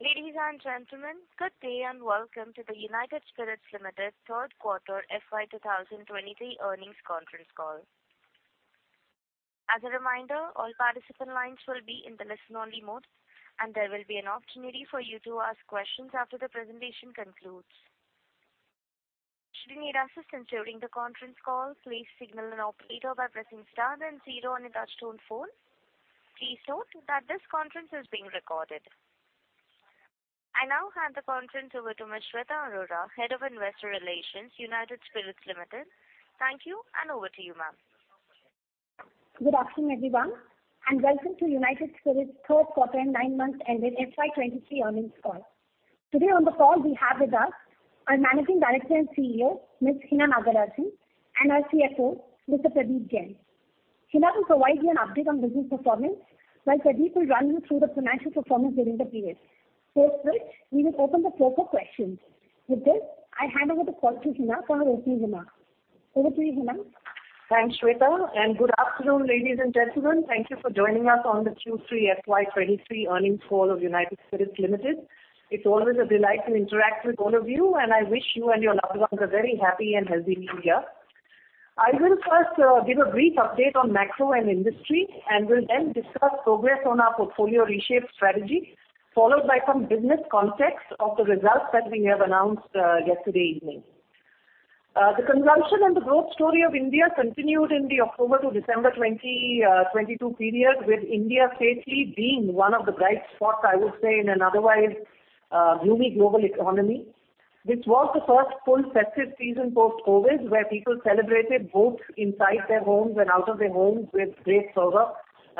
Ladies and gentlemen, good day and welcome to the United Spirits Limited third quarter FY 2023 earnings conference call. As a reminder, all participant lines will be in the listen-only mode, and there will be an opportunity for you to ask questions after the presentation concludes. Should you need assistance during the conference call, please signal an operator by pressing star then zero on your touch-tone phone. Please note that this conference is being recorded. I now hand the conference over to Ms. Shweta Arora, Head of Investor Relations, United Spirits Limited. Thank you, and over to you, ma'am. Good afternoon, everyone, and welcome to United Spirits' third quarter and nine-month ended FY23 earnings call. Today on the call we have with us our Managing Director and CEO, Ms. Hina Nagarajan, and our CFO, Mr. Pradeep Jain. Hina will provide you an update on business performance, while Pradeep will run you through the financial performance during the period. Post which, we will open the floor for questions. With this, I hand over the call to Hina for her opening remarks. Over to you, Hina. Thanks, Shweta. Good afternoon, ladies and gentlemen. Thank you for joining us on the Q3 FY23 earnings call of United Spirits Limited. It's always a delight to interact with all of you. I wish you and your loved ones a very happy and healthy new year. I will first give a brief update on macro and industry. I will then discuss progress on our portfolio reshape strategy, followed by some business context of the results that we have announced yesterday evening. The consumption and the growth story of India continued in the October to December 2022 period, with India safely being one of the bright spots, I would say, in an otherwise gloomy global economy. This was the first full festive season post-COVID where people celebrated both inside their homes and out of their homes with great fervor.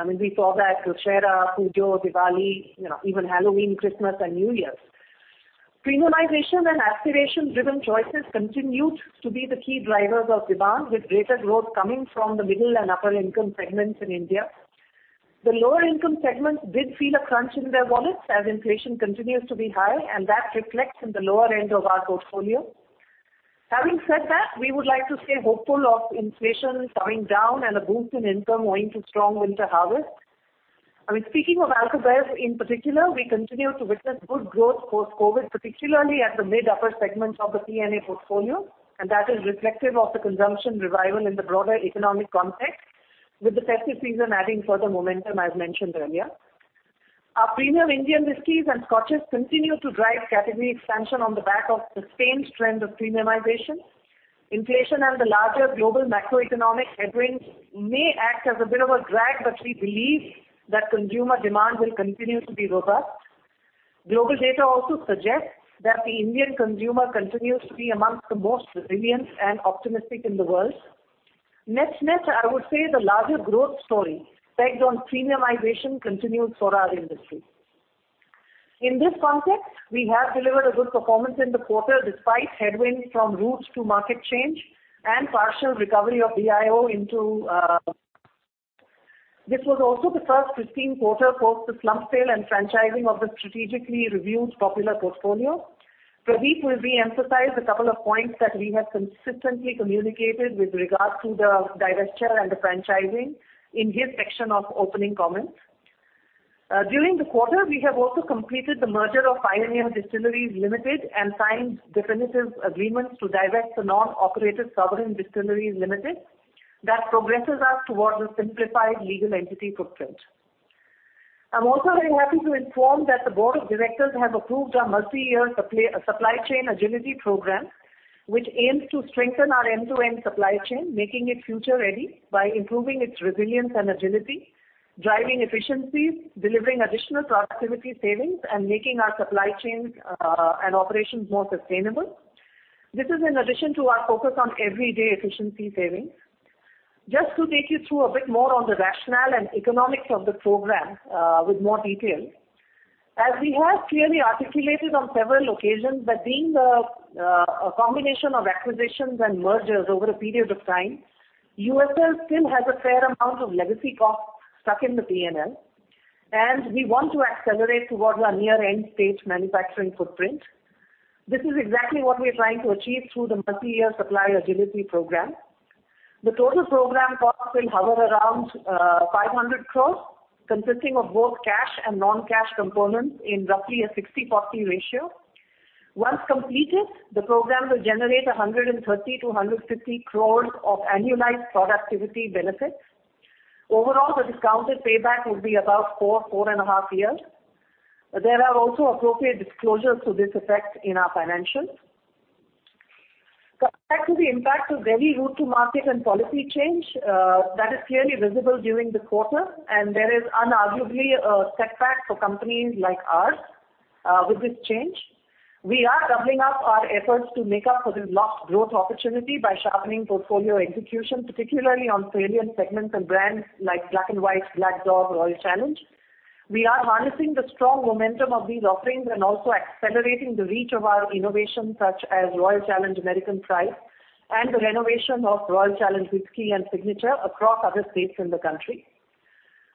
I mean, we saw that Dussehra, Puja, Diwali, you know, even Halloween, Christmas and New Year's. Premiumization and aspiration-driven choices continued to be the key drivers of demand, with greater growth coming from the middle and upper income segments in India. The lower income segments did feel a crunch in their wallets as inflation continues to be high. That reflects in the lower end of our portfolio. Having said that, we would like to stay hopeful of inflation coming down and a boost in income owing to strong winter harvest. I mean, speaking of alcohol in particular, we continue to witness good growth post-COVID, particularly at the mid upper segments of the P&A portfolio. That is reflective of the consumption revival in the broader economic context, with the festive season adding further momentum as mentioned earlier. Our premium Indian whiskies and scotches continue to drive category expansion on the back of the same trend of premiumization. Inflation and the larger global macroeconomic headwinds may act as a bit of a drag, but we believe that consumer demand will continue to be robust. Global data also suggests that the Indian consumer continues to be amongst the most resilient and optimistic in the world. Net-net, I would say the larger growth story pegged on premiumization continues for our industry. In this context, we have delivered a good performance in the quarter, despite headwinds from route to market change and partial recovery of BIO into. This was also the first pristine quarter post the slump sale and franchising of the strategically reviewed popular portfolio. Pradeep will re-emphasize a couple of points that we have consistently communicated with regards to the divestiture and the franchising in his section of opening comments. During the quarter, we have also completed the merger of Pioneer Distilleries Limited and signed definitive agreements to divest the non-operated Sovereign Distilleries Limited. That progresses us towards a simplified legal entity footprint. I'm also very happy to inform that the board of directors have approved our multi-year supply chain agility program, which aims to strengthen our end-to-end supply chain, making it future ready by improving its resilience and agility, driving efficiencies, delivering additional productivity savings, and making our supply chains and operations more sustainable. This is in addition to our focus on everyday efficiency savings. Just to take you through a bit more on the rationale and economics of the program with more details. As we have clearly articulated on several occasions that being the, a combination of acquisitions and mergers over a period of time, USL still has a fair amount of legacy costs stuck in the P&L, and we want to accelerate towards our near end stage manufacturing footprint. This is exactly what we are trying to achieve through the multi-year supply agility program. The total program cost will hover around, 500 crores, consisting of both cash and non-cash components in roughly a 60/40 ratio. Once completed, the program will generate 130-150 crores of annualized productivity benefits. Overall, the discounted payback will be about 4, four and a half years. There are also appropriate disclosures to this effect in our financials. Compared to the impact of very route to market and policy change that is clearly visible during the quarter. There is unarguably a setback for companies like ours with this change. We are doubling up our efforts to make up for this lost growth opportunity by sharpening portfolio execution, particularly on premium segments and brands like Black & White, Black Dog, Royal Challenge. We are harnessing the strong momentum of these offerings and also accelerating the reach of our innovation, such as Royal Challenge American Pride and the renovation of Royal Challenge Whiskey and Signature across other states in the country.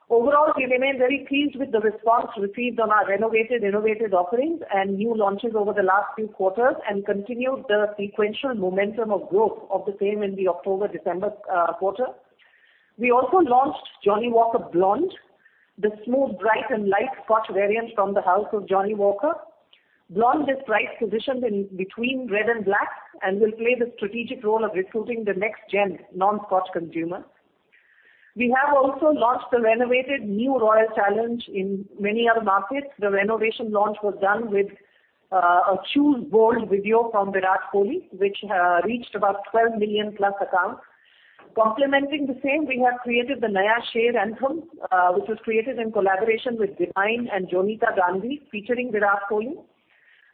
Overall, we remain very pleased with the response received on our renovated innovative offerings and new launches over the last few quarters and continued the sequential momentum of growth of the same in the October-December quarter. We also launched Johnnie Walker Blonde, the smooth, bright and light Scotch variant from the house of Johnnie Walker. Blonde is price-positioned in between Red and Black and will play the strategic role of recruiting the next-gen non-Scotch consumer. We have also launched the renovated new Royal Challenge in many other markets. The renovation launch was done with a Choose Bold video from Virat Kohli, which reached about 12 million+ accounts. Complementing the same, we have created the Naya Sher anthem, which was created in collaboration with Divine and Jonita Gandhi, featuring Virat Kohli.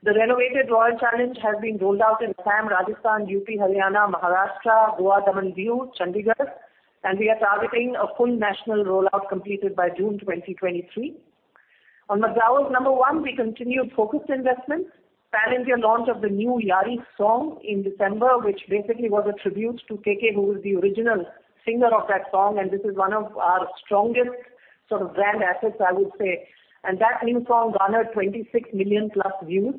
The renovated Royal Challenge has been rolled out in Assam, Rajasthan, UP, Haryana, Maharashtra, Goa, Daman, Diu, Chandigarh. We are targeting a full national rollout completed by June 2023. On the brands No.1, we continued focused investments. Pan India launch of the new Yaari song in December, which basically was a tribute to KK who was the original singer of that song. This is one of our strongest sort of brand assets, I would say. That new song garnered 26 million+ views.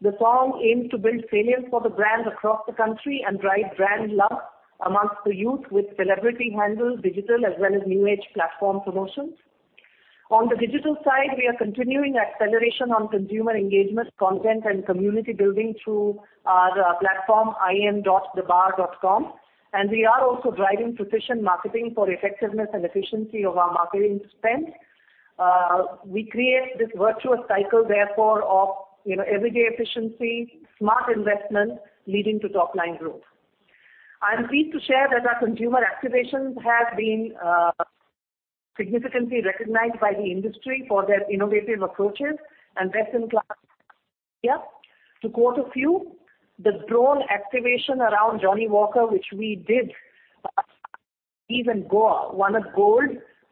The song aims to build salience for the brand across the country and drive brand love amongst the youth with celebrity handles, digital as well as new age platform promotions. On the digital side, we are continuing acceleration on consumer engagement content and community building through our platform, in.thebar.com. We are also driving precision marketing for effectiveness and efficiency of our marketing spend. We create this virtuous cycle therefore of, you know, everyday efficiency, smart investment leading to top-line growth. I'm pleased to share that our consumer activations have been significantly recognized by the industry for their innovative approaches and best-in-class. To quote a few, the drone activation around Johnnie Walker, which we did Goa, won a gold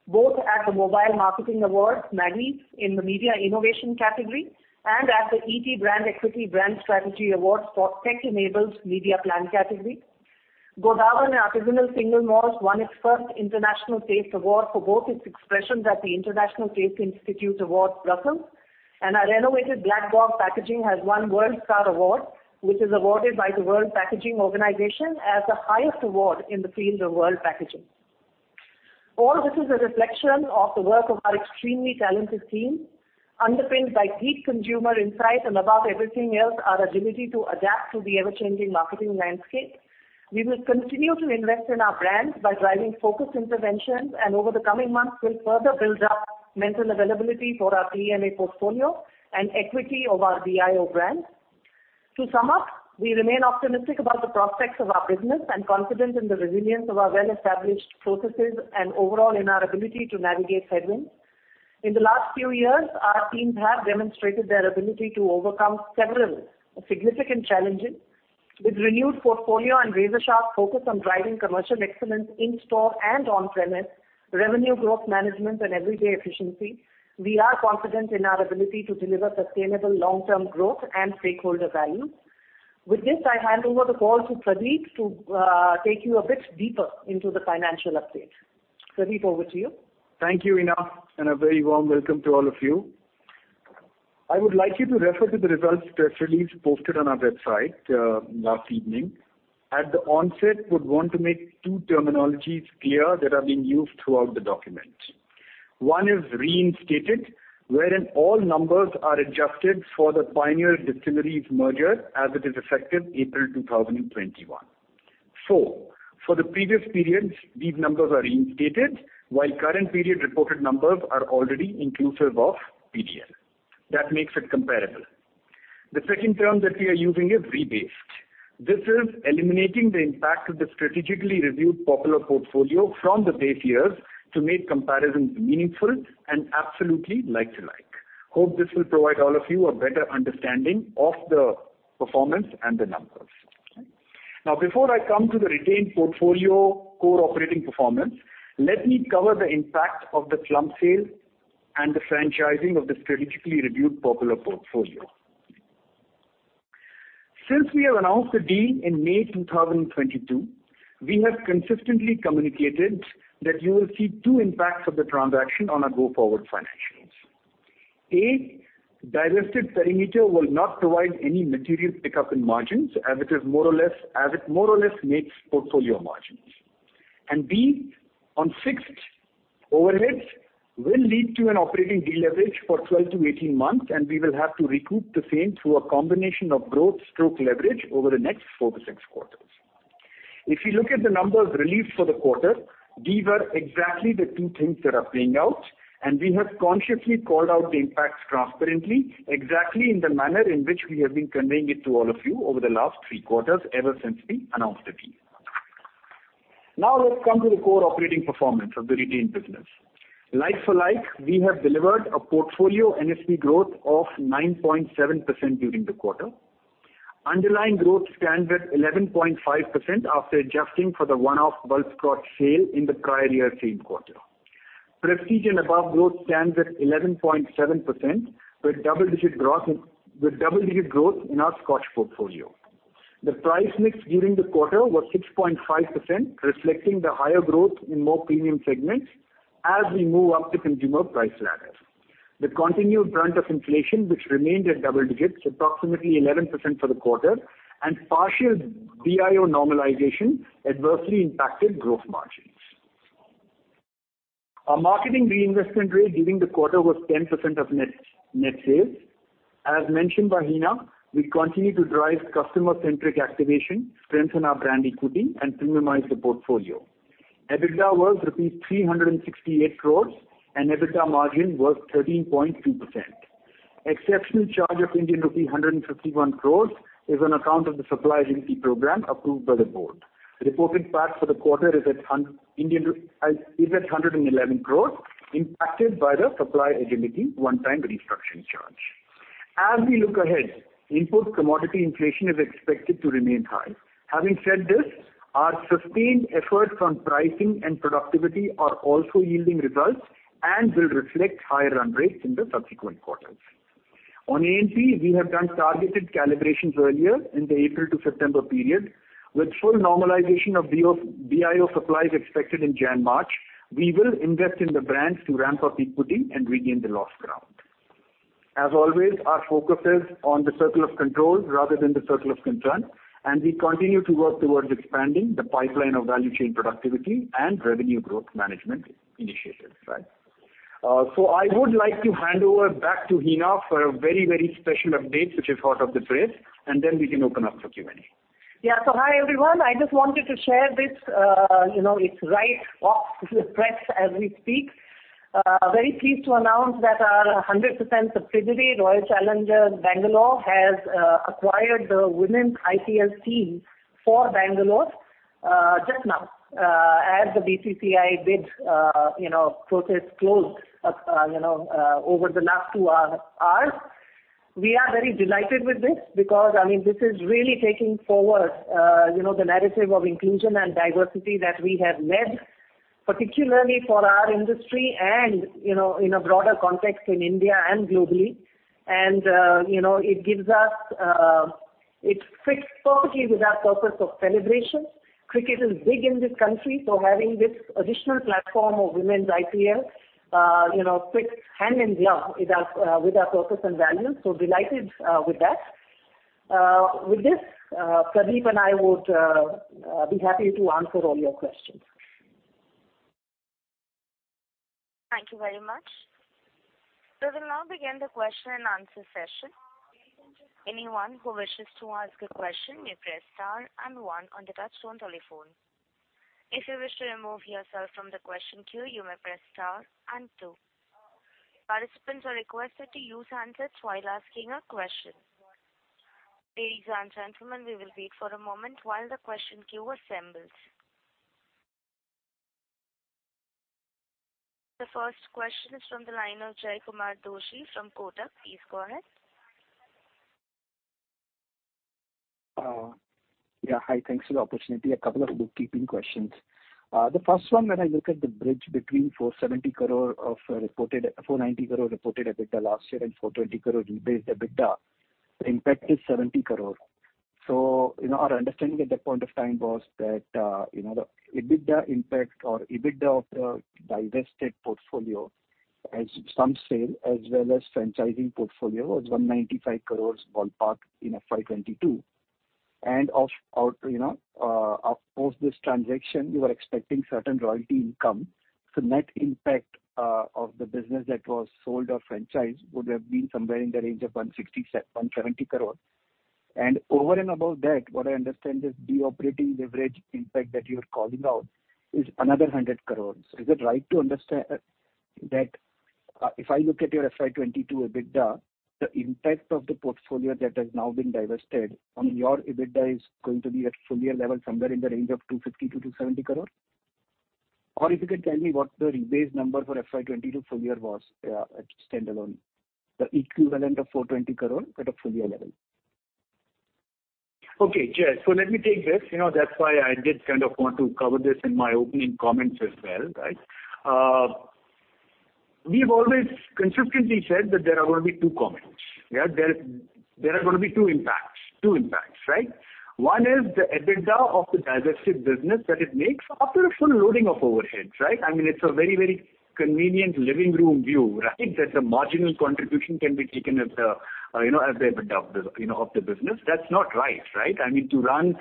both at the Mobile Marketing Awards, SMARTIES, in the Media Innovation category and at the ET Brand Equity Brand Strategy Awards for Tech-enabled Media Plan category. Godawan, an artisanal single malt, won its first International Taste Award for both its expressions at the International Taste Institute Awards, Brussels. Our renovated Black Dog packaging has won WorldStar Packaging Award, which is awarded by the World Packaging Organisation as the highest award in the field of world packaging. All this is a reflection of the work of our extremely talented team, underpinned by deep consumer insight and above everything else, our agility to adapt to the ever-changing marketing landscape. We will continue to invest in our brands by driving focused interventions, and over the coming months we'll further build up mental availability for our PMA portfolio and equity of our Diageo brands. To sum up, we remain optimistic about the prospects of our business and confident in the resilience of our well-established processes and overall in our ability to navigate headwinds. In the last few years, our teams have demonstrated their ability to overcome several significant challenges. With renewed portfolio and razor-sharp focus on driving commercial excellence in-store and on-premise, revenue growth management and everyday efficiency, we are confident in our ability to deliver sustainable long-term growth and stakeholder value. With this, I hand over the call to Pradeep to take you a bit deeper into the financial update. Pradeep, over to you. Thank you, Hina, and a very warm welcome to all of you. I would like you to refer to the results press release posted on our website last evening. At the onset, would want to make two terminologies clear that are being used throughout the document. One is reinstated, wherein all numbers are adjusted for the Pioneer Distilleries merger as it is effective April 2021. For the previous periods, these numbers are reinstated, while current period reported numbers are already inclusive of PDL. That makes it comparable. The second term that we are using is rebased. This is eliminating the impact of the strategically reviewed Popular portfolio from the base years to make comparisons meaningful and absolutely like to like. Hope this will provide all of you a better understanding of the performance and the numbers. Before I come to the retained portfolio core operating performance, let me cover the impact of the Popular brands sale and the franchising of the strategically reviewed Popular portfolio. Since we have announced the deal in May 2022, we have consistently communicated that you will see 2 impacts of the transaction on our go-forward financials. A, divested perimeter will not provide any material pickup in margins as it more or less makes portfolio margins. B, on fixed overheads will lead to an operating deleverage for 12-18 months, and we will have to recoup the same through a combination of growth stroke leverage over the next 4-6 quarters. If you look at the numbers released for the quarter, these are exactly the two things that are playing out. We have consciously called out the impacts transparently exactly in the manner in which we have been conveying it to all of you over the last three quarters ever since we announced the deal. Let's come to the core operating performance of the retained business. Like for like, we have delivered a portfolio NSP growth of 9.7% during the quarter. Underlying growth stands at 11.5% after adjusting for the one-off bulk Scotch sale in the prior year same quarter. Prestige and Above growth stands at 11.7%, with double-digit growth in our Scotch portfolio. The price mix during the quarter was 6.5%, reflecting the higher growth in more premium segments as we move up the consumer price ladder. The continued brunt of inflation, which remained at double digits, approximately 11% for the quarter, and partial BIO normalization adversely impacted growth margins. Our marketing reinvestment rate during the quarter was 10% of net sales. As mentioned by Hina, we continue to drive customer-centric activation, strengthen our brand equity, and optimize the portfolio. EBITDA was rupees 368 crores, and EBITDA margin was 13.2%. Exceptional charge of Indian rupee 151 crores is on account of the supply agility program approved by the board. Reported PAT for the quarter is at 111 crores, impacted by the supply agility one-time restructuring charge. As we look ahead, input commodity inflation is expected to remain high. Having said this, our sustained efforts on pricing and productivity are also yielding results and will reflect higher run rates in the subsequent quarters. On ANP, we have done targeted calibrations earlier in the April to September period. With full normalization of BIO supplies expected in January, March, we will invest in the brands to ramp up equity and regain the lost ground. As always, our focus is on the circle of control rather than the circle of concern, and we continue to work towards expanding the pipeline of value chain productivity and revenue growth management initiatives. Right. I would like to hand over back to Hina for a very, very special update which is hot off the press, and then we can open up for Q&A. Yeah. Hi, everyone. I just wanted to share this. You know, it's right off the press as we speak. Very pleased to announce that our 100% subsidiary, Royal Challengers Bangalore, has acquired the Women's IPL team for Bangalore just now. As the BCCI bid, you know, process closed, you know, over the last 2 hours. We are very delighted with this because, I mean, this is really taking forward, you know, the narrative of inclusion and diversity that we have led, particularly for our industry and, you know, in a broader context in India and globally. You know, it gives us. It fits perfectly with our purpose of celebration. Cricket is big in this country, so having this additional platform of Women's IPL, you know, fits hand in glove with our with our purpose and values. Delighted with that. With this, Pradeep and I would be happy to answer all your questions. Thank you very much. We will now begin the question and answer session. Anyone who wishes to ask a question may press star and one on the touchtone telephone. If you wish to remove yourself from the question queue, you may press star and two. Participants are requested to use handsets while asking a question. Ladies and gentlemen, we will wait for a moment while the question queue assembles. The first question is from the line of Jaykumar Doshi from Kotak. Please go ahead. Yeah. Hi. Thanks for the opportunity. A couple of bookkeeping questions. The first one, when I look at the bridge between 490 crore reported EBITDA last year and 420 crore rebased EBITDA, the impact is 70 crore. You know, our understanding at that point of time was that, you know, the EBITDA impact or EBITDA of the divested portfolio as some sale as well as franchising portfolio was 195 crore ballpark in FY22. Of course this transaction, you are expecting certain royalty income. Net impact of the business that was sold or franchised would have been somewhere in the range of 170 crore. Over and above that, what I understand is the operating leverage impact that you're calling out is another 100 crore. Is it right to understand that, if I look at your FY22 EBITDA, the impact of the portfolio that has now been divested on your EBITDA is going to be at full year level, somewhere in the range of 250 crore-270 crore? If you can tell me what the rebase number for FY22 full year was, standalone, the equivalent of 420 crore at a full year level. Okay, Jay. Let me take this. You know, that's why I did kind of want to cover this in my opening comments as well, right? We've always consistently said that there are going to be two impacts, right? One is the EBITDA of the divested business that it makes after a full loading of overheads, right? I mean, it's a very, very convenient living room view, right? That the marginal contribution can be taken as the, you know, as the EBITDA of the, you know, of the business. That's not right? I mean, to run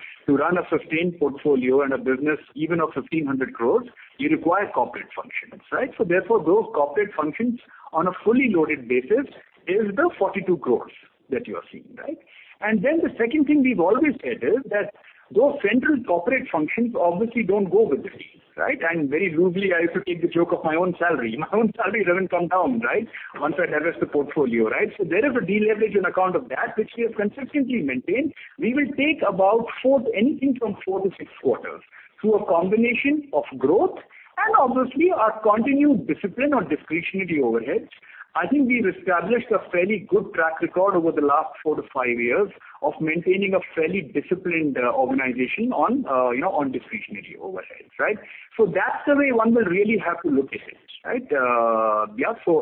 a sustained portfolio and a business even of 1,500 crores, you require corporate functions, right? Therefore, those corporate functions on a fully loaded basis is the 42 crores that you are seeing, right? The second thing we've always said is that those central corporate functions obviously don't go with it, right? Very rudely, I used to take the joke of my own salary. My own salary doesn't come down, right? Once I divest the portfolio, right? There is a deleverage on account of that which we have consistently maintained. We will take about anything from 4 to 6 quarters through a combination of growth and obviously our continued discipline on discretionary overheads. I think we've established a fairly good track record over the last 4 to 5 years of maintaining a fairly disciplined organization on, you know, on discretionary overheads, right? That's the way one will really have to look at it, right? Yeah.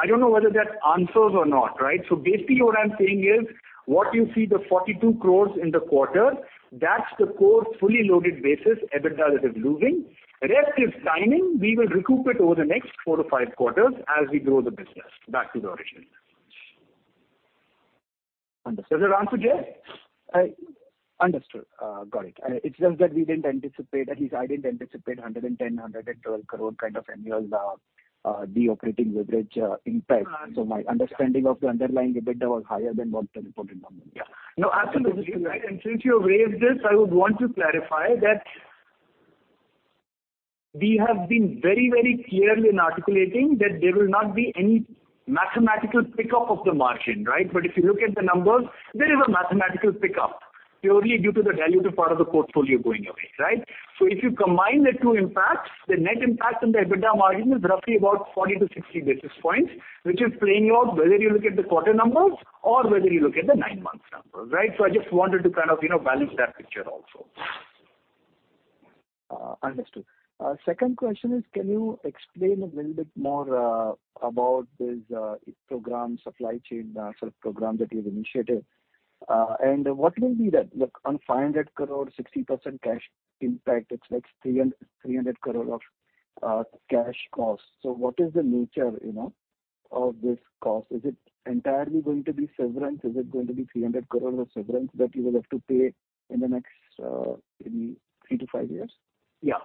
I don't know whether that answers or not, right? Basically what I'm saying is what you see the 42 crores in the quarter, that's the core, fully loaded basis EBITDA that is losing. Rest is timing. We will recoup it over the next 4 to 5 quarters as we grow the business back to the original. Does that answer, Jay? Understood. Got it. It's just that we didn't anticipate, at least I didn't anticipate 110 crore-112 crore kind of annual, de-operating leverage, impact. Yeah. My understanding of the underlying EBITDA was higher than what the reported number is. Yeah. No, absolutely right. Since you've raised this, I would want to clarify that we have been very, very clear in articulating that there will not be any mathematical pickup of the margin, right? If you look at the numbers, there is a mathematical pickup purely due to the dilutive part of the portfolio going away, right? If you combine the two impacts, the net impact on the EBITDA margin is roughly about 40-60 basis points, which is playing out whether you look at the quarter numbers or whether you look at the nine months numbers, right? I just wanted to kind of, you know, balance that picture also. Understood. Second question is can you explain a little bit more about this program, supply chain sort of program that you've initiated? What will be that? Look, on 500 crore, 60% cash impact, it's like 300 crore of cash costs. What is the nature, you know, of this cost? Is it entirely going to be severance? Is it going to be 300 crore of severance that you will have to pay in the next, maybe 3 to 5 years? Yeah.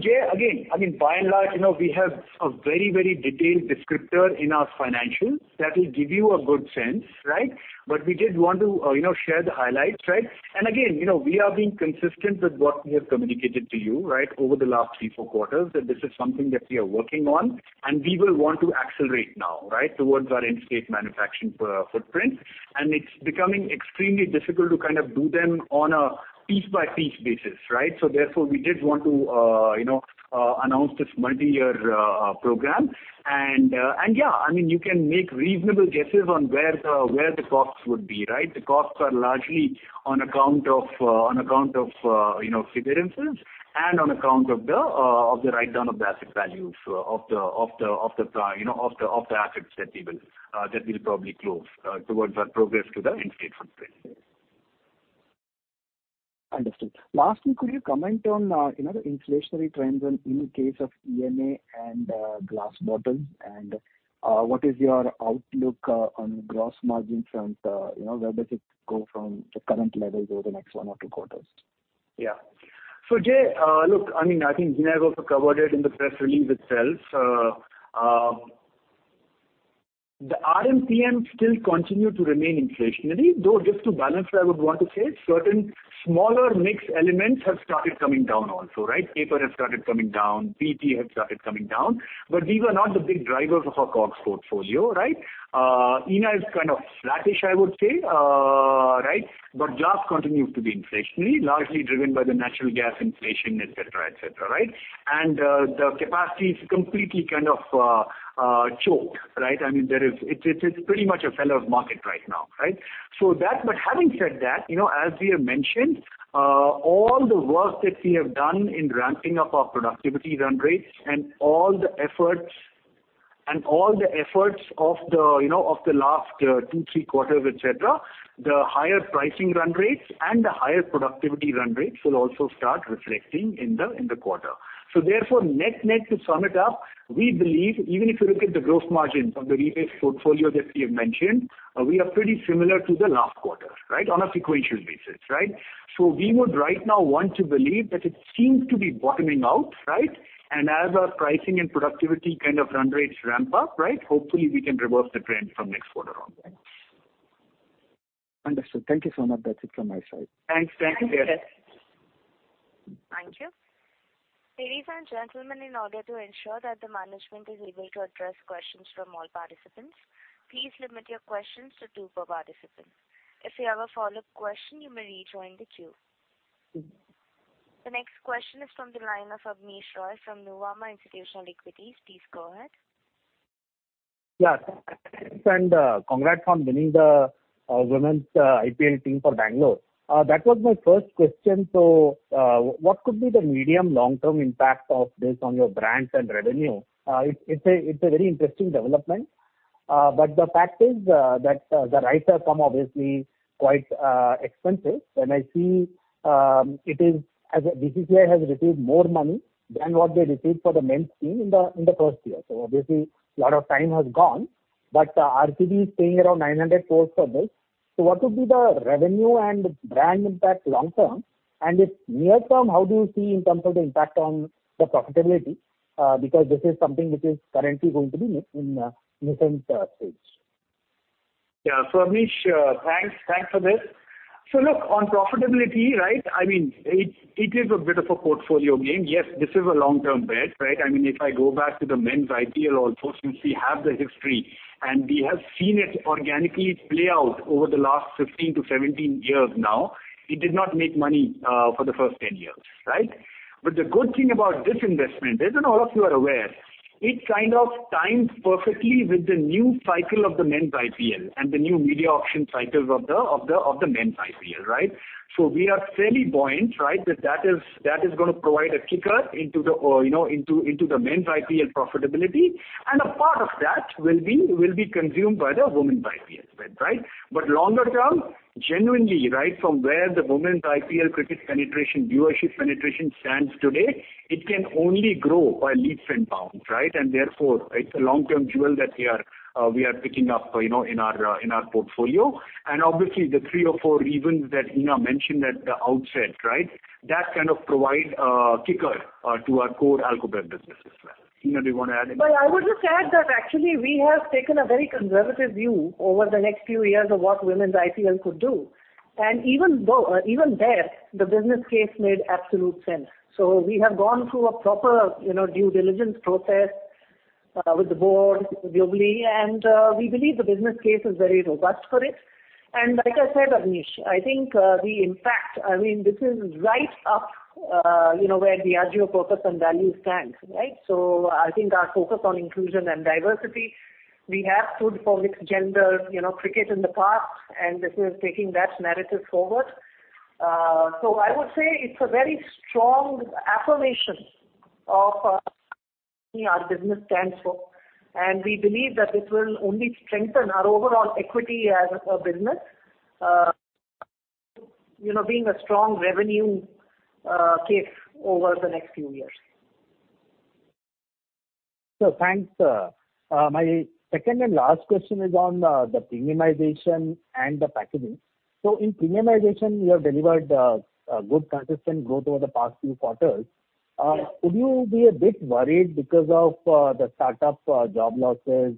Jay, again, I mean, by and large, you know, we have a very, very detailed descriptor in our financials that will give you a good sense, right? We did want to, you know, share the highlights, right? Again, you know, we are being consistent with what we have communicated to you, right, over the last three, four quarters, that this is something that we are working on, and we will want to accelerate now, right, towards our in-state manufacturing footprint. It's becoming extremely difficult to kind of do them on a piece-by-piece basis, right? Therefore, we did want to, you know, announce this multiyear program. Yeah, I mean, you can make reasonable guesses on where the, where the costs would be, right? The costs are largely on account of, you know, severances and on account of the write down of the asset values of the, you know, of the assets that we'll probably close towards our progress to the in-state footprint. Understood. Lastly, could you comment on, you know, the inflationary trends in case of ENA and glass bottles, and what is your outlook on gross margin front? You know, where does it go from the current level over the next 1 or 2 quarters? Yeah. Jay, look, I mean, I think Vinay also covered it in the press release itself. The RMPM still continue to remain inflationary, though just to balance I would want to say certain smaller mix elements have started coming down also, right? Paper has started coming down, PET has started coming down. These are not the big drivers of our COGS portfolio, right? ENA is kind of flattish, I would say. Right? Glass continues to be inflationary, largely driven by the natural gas inflation, et cetera, et cetera, right? The capacity is completely kind of choked, right? I mean, it's pretty much a seller's market right now, right? That... Having said that, you know, as we have mentioned, all the work that we have done in ramping up our productivity run rates and all the efforts of the, you know, of the last two, three quarters, et cetera, the higher pricing run rates and the higher productivity run rates will also start reflecting in the, in the quarter. Therefore, net-net, to sum it up, we believe even if you look at the gross margins of the refit portfolio that we have mentioned, we are pretty similar to the last quarter, right, on a sequential basis. We would right now want to believe that it seems to be bottoming out. As our pricing and productivity kind of run rates ramp up, right, hopefully we can reverse the trend from next quarter onwards. Understood. Thank you so much. That's it from my side. Thanks. Thank you, Jay. Thanks, Jay. Thank you. Ladies and gentlemen, in order to ensure that the management is able to address questions from all participants, please limit your questions to two per participant. If you have a follow-up question, you may rejoin the queue. The next question is from the line of Abneesh Roy from Nuvama Institutional Equities. Please go ahead. Yeah. Thanks, congrats on winning the Women's IPL team for Bangalore. That was my first question. What could be the medium long-term impact of this on your brands and revenue? It's a very interesting development. The fact is, that the rights have come obviously quite expensive. I see, it is, as BCCI has received more money than what they received for the men's team in the first year. Obviously a lot of time has gone. RCB is paying around 900 crores for this. What would be the revenue and brand impact long term? If near term, how do you see in terms of the impact on the profitability? Because this is something which is currently going to be in nascent stage. Abneesh, thanks for this. Look, on profitability, right, I mean, it is a bit of a portfolio game. Yes, this is a long-term bet, right? I mean, if I go back to the Men's IPL also, since we have the history and we have seen it organically play out over the last 15 to 17 years now, it did not make money for the first 10 years, right? The good thing about this investment, as I know all of you are aware, it kind of timed perfectly with the new cycle of the Men's IPL and the new media auction cycles of the Men's IPL, right? We are fairly buoyant, right? That is going to provide a kicker into the, you know, into the Men's IPL profitability. A part of that will be consumed by the Women's IPL. Right? Longer term, genuinely right from where the Women's IPL cricket penetration, viewership penetration stands today, it can only grow by leaps and bounds, right? Therefore, it's a long-term jewel that we are picking up, you know, in our portfolio. Obviously the three or four reasons that Hina mentioned at the outset, right? That kind of provide a kicker to our core alcohol business as well. Hina, do you want to add anything? I would just add that actually we have taken a very conservative view over the next few years of what Women's IPL could do. Even there, the business case made absolute sense. We have gone through a proper, you know, due diligence process with the board globally, and we believe the business case is very robust for it. Like I said, Abneesh, I think, we in fact, I mean, this is right up, you know, where Diageo purpose and values stand, right? I think our focus on inclusion and diversity, we have stood for mixed gender, you know, cricket in the past, and this is taking that narrative forward. I would say it's a very strong affirmation of what our business stands for, and we believe that this will only strengthen our overall equity as a business. You know, being a strong revenue case over the next few years. Thanks. My second and last question is on the premiumization and the packaging. In premiumization, you have delivered good consistent growth over the past few quarters. Would you be a bit worried because of the startup job losses,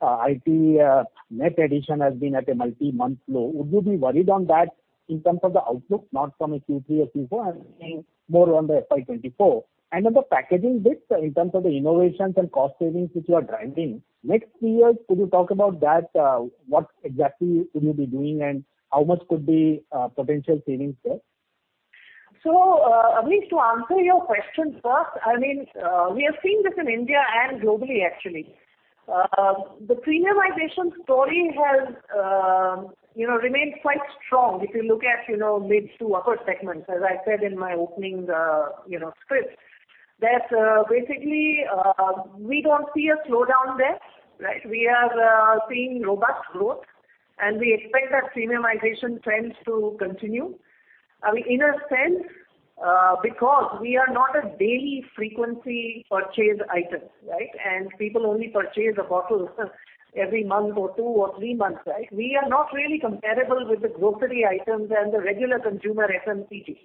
IT net addition has been at a multi-month low? Would you be worried on that in terms of the outlook, not from a Q3 or Q4, I mean more on the FY 2024? On the packaging bit, in terms of the innovations and cost savings which you are driving, next few years could you talk about that, what exactly will you be doing and how much could be potential savings there? Abneesh, to answer your question first, I mean, we have seen this in India and globally actually. The premiumization story has, you know, remained quite strong. If you look at, you know, mid to upper segments, as I said in my opening, you know, script, that, basically, we don't see a slowdown there, right? We are seeing robust growth, we expect that premiumization trends to continue. I mean, in a sense, because we are not a daily frequency purchase item, right? People only purchase a bottle every month or 2 or 3 months, right? We are not really comparable with the grocery items and the regular consumer FMCG.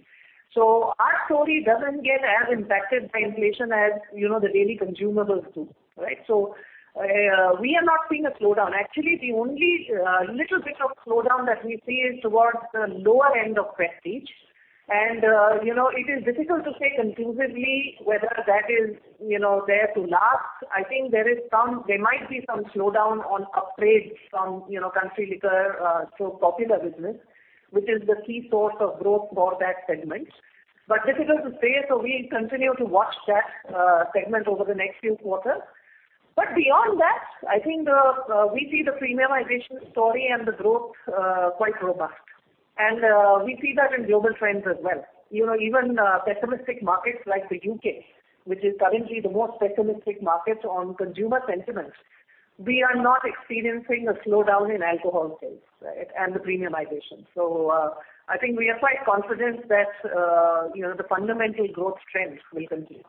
Our story doesn't get as impacted by inflation as, you know, the daily consumables do, right? We are not seeing a slowdown. Actually, the only little bit of slowdown that we see is towards the lower end of Prestige. You know, it is difficult to say conclusively whether that is, you know, there to last. I think there might be some slowdown on upgrades from, you know, country liquor, so Popular business, which is the key source of growth for that segment. Difficult to say, so we'll continue to watch that segment over the next few quarters. Beyond that, I think we see the premiumization story and the growth quite robust. We see that in global trends as well. You know, even pessimistic markets like the U.K., which is currently the most pessimistic market on consumer sentiment, we are not experiencing a slowdown in alcohol sales, right, and the premiumization. I think we are quite confident that, you know, the fundamental growth trends will continue.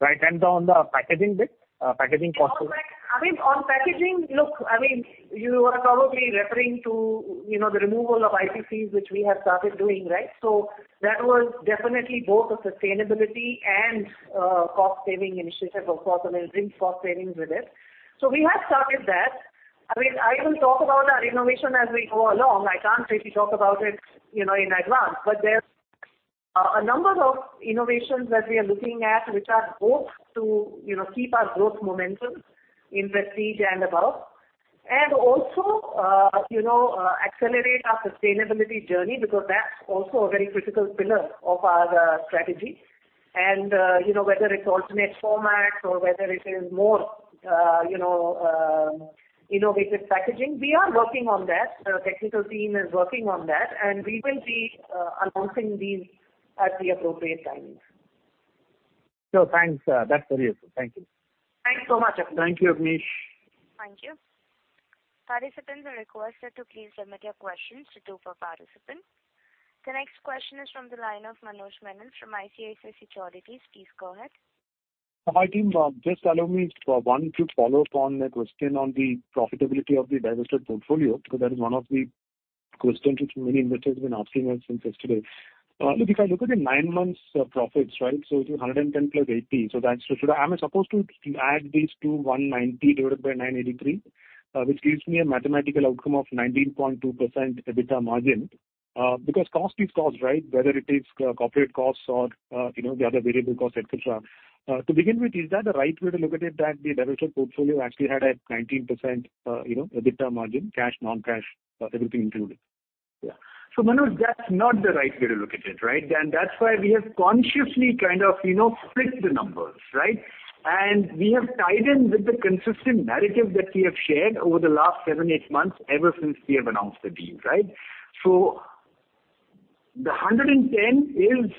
Right. on the packaging bit, packaging costs. On packaging, I mean, on packaging, look, I mean, you are probably referring to, you know, the removal of IPCs, which we have started doing, right? That was definitely both a sustainability and cost-saving initiative. Of course, there will be cost savings with it. We have started that. I mean, I will talk about our innovation as we go along. I can't really talk about it, you know, in advance, but there's a number of innovations that we are looking at which are both to, you know, keep our growth momentum in Prestige and Above. Also, you know, accelerate our sustainability journey, because that's also a very critical pillar of our strategy. Whether it's alternate formats or whether it is more, you know, innovative packaging, we are working on that. Our technical team is working on that, and we will be announcing these at the appropriate time. Thanks. That's very helpful. Thank you. Thanks so much, Abneesh Roy. Thank you, Abneesh Roy. Thank you. Participants are requested to please submit your questions to do for participants. The next question is from the line of Manoj Menon from ICICI Securities. Please go ahead. Hi, team. Just allow me 1 quick follow-up on that question on the profitability of the divested portfolio, because that is one of the questions which many investors have been asking us since yesterday. Look, if I look at the 9 months of profits, right, so it is 110 plus 80. Am I supposed to add these two, 190 divided by 983, which gives me a mathematical outcome of 19.2% EBITDA margin? Because cost is cost, right? Whether it is corporate costs or, you know, the other variable costs, et cetera. To begin with, is that the right way to look at it, that the divested portfolio actually had a 19% you know, EBITDA margin, cash, non-cash, everything included? Yeah. Manoj, that's not the right way to look at it, right? That's why we have consciously kind of, you know, split the numbers, right? We have tied in with the consistent narrative that we have shared over the last seven, eight months ever since we have announced the deal, right? The 110 is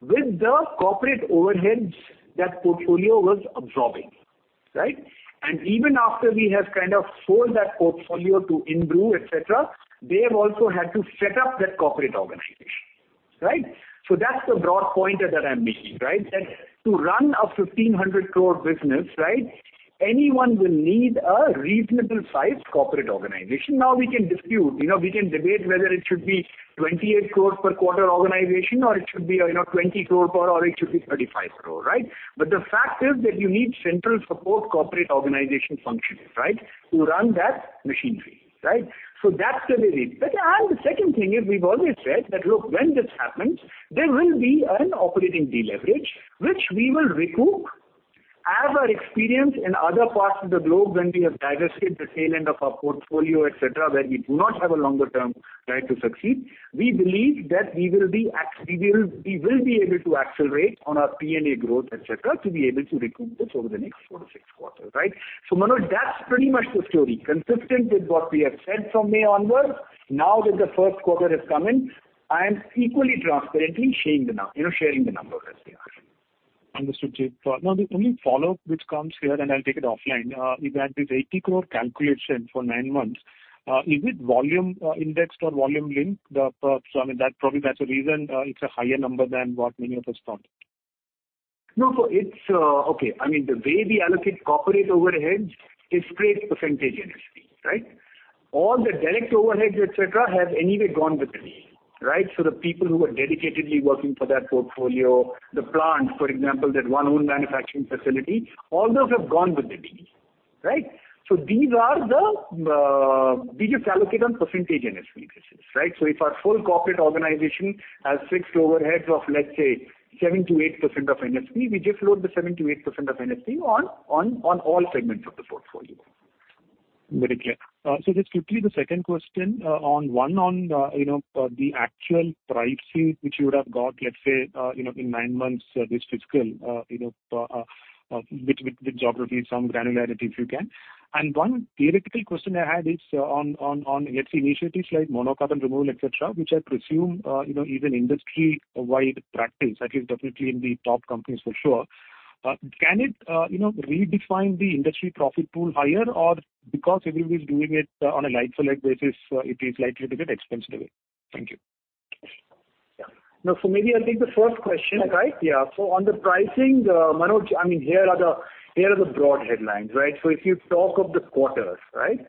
with the corporate overheads that portfolio was absorbing, right? Even after we have kind of sold that portfolio to Inbrew, et cetera, they have also had to set up that corporate organization, right? That's the broad point that I'm making, right? That to run a 1,500 crore business, right, anyone will need a reasonable sized corporate organization. We can dispute, you know, we can debate whether it should be 28 crore per quarter organization or it should be, you know, 20 crore or it should be 35 crore, right? The fact is that you need central support corporate organization functions, right, to run that machinery, right? That's the way it is. The second thing is we've always said that, look, when this happens, there will be an operating deleverage, which we will recoup as our experience in other parts of the globe when we have divested the tail end of our portfolio, et cetera, where we do not have a longer term right to succeed. We believe that we will be able to accelerate on our P&A growth, et cetera, to be able to recoup this over the next four to six quarters, right? Manoj, that's pretty much the story. Consistent with what we have said from May onwards. Now that the first quarter has come in, I am equally transparently sharing the numbers as they are. Understood, Jain. now the only follow-up which comes here, and I'll take it offline, is that this 80 crore calculation for nine months, is it volume, indexed or volume linked? I mean, that probably that's the reason, it's a higher number than what many of us thought. No. Okay. I mean, the way we allocate corporate overheads is straight percentage NSP, right? All the direct overheads, et cetera, have anyway gone with the P, right? The people who are dedicatedly working for that portfolio, the plant, for example, that one own manufacturing facility, all those have gone with the P, right? These are the, we just allocate on percentage NSP basis, right? If our full corporate organization has fixed overheads of, let's say, 7% to 8% of NSP, we just load the 7% to 8% of NSP on all segments of the portfolio. Very clear. Just quickly the second question, on one on, you know, the actual pricing which you would have got, let's say, you know, in nine months this fiscal, you know, with, with geography, some granularity if you can. One theoretical question I had is on, on NSP initiatives like mono carton removal, et cetera, which I presume, you know, is an industry-wide practice, at least definitely in the top companies for sure. Can it, you know, redefine the industry profit pool higher or because everybody's doing it on a like-for-like basis, it is likely to get expensive? Thank you. Yeah. No, maybe I'll take the first question, right? Okay. On the pricing, Manoj, I mean, here are the broad headlines, right? If you talk of the quarters, right,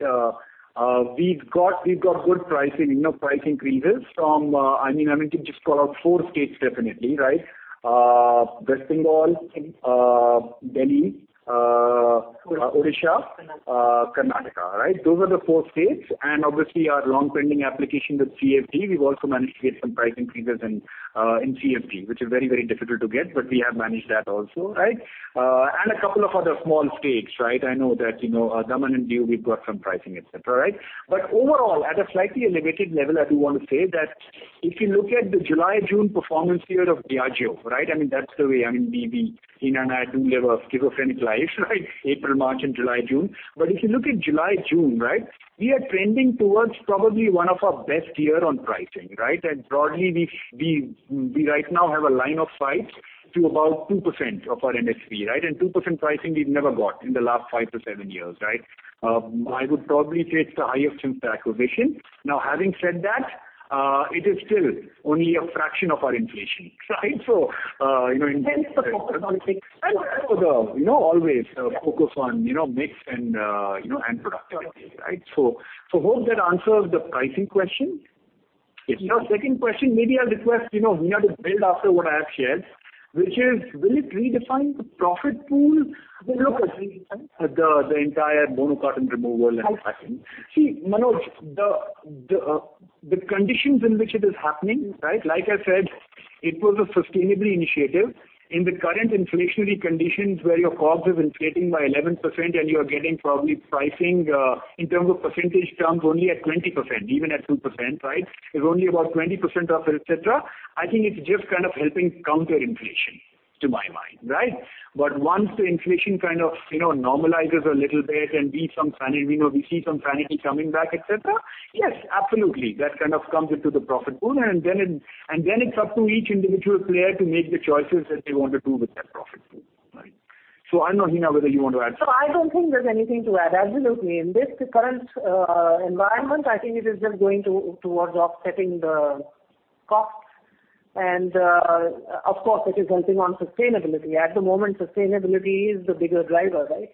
we've got good pricing, you know, price increases from to just call out 4 states definitely, right? West Bengal, Delhi, Odisha, Karnataka, right? Those are the 4 states. Obviously our long-pending application with CSD, we've also managed to get some price increases in CSD, which is very, very difficult to get, but we have managed that also, right? And a couple of other small states, right? I know that, you know, Daman and Diu, we've got some pricing, et cetera, right? Overall, at a slightly elevated level, I do want to say that if you look at the July-June performance period of Diageo, right? I mean, that's the way I mean we in UNIDU live a schizophrenic life, right? April, March and July, June. If you look at July, June, right? We are trending towards probably one of our best year on pricing, right? Broadly, we right now have a line of sight to about 2% of our NSP, right? 2% pricing we've never got in the last 5-7 years, right? I would probably say it's the highest since the acquisition. Now, having said that, it is still only a fraction of our inflation, right? You know. Hence the proper pricing. You know, always focus on, you know, mix and, you know, and productivity, right? Hope that answers the pricing question. Yes. Second question, maybe I'll request, you know, Hina to build after what I have shared, which is, will it redefine the profit pool? The entire mono carton removal and packaging. Manoj, the conditions in which it is happening, right? Like I said, it was a sustainable initiative. In the current inflationary conditions where your COGS is inflating by 11% and you are getting probably pricing in terms of percentage terms only at 20%, even at 2%, right? Is only about 20% of it, et cetera. I think it's just kind of helping counter inflation to my mind, right? Once the inflation kind of, you know, normalizes a little bit and we, you know, we see some fatigue coming back, et cetera. Yes, absolutely. That kind of comes into the profit pool, and then it, and then it's up to each individual player to make the choices that they want to do with that profit pool, right? I don't know, Hina, whether you want to add something. I don't think there's anything to add. Absolutely. In this current environment, I think it is just going to, towards offsetting the costs. Of course it is helping on sustainability. At the moment, sustainability is the bigger driver, right?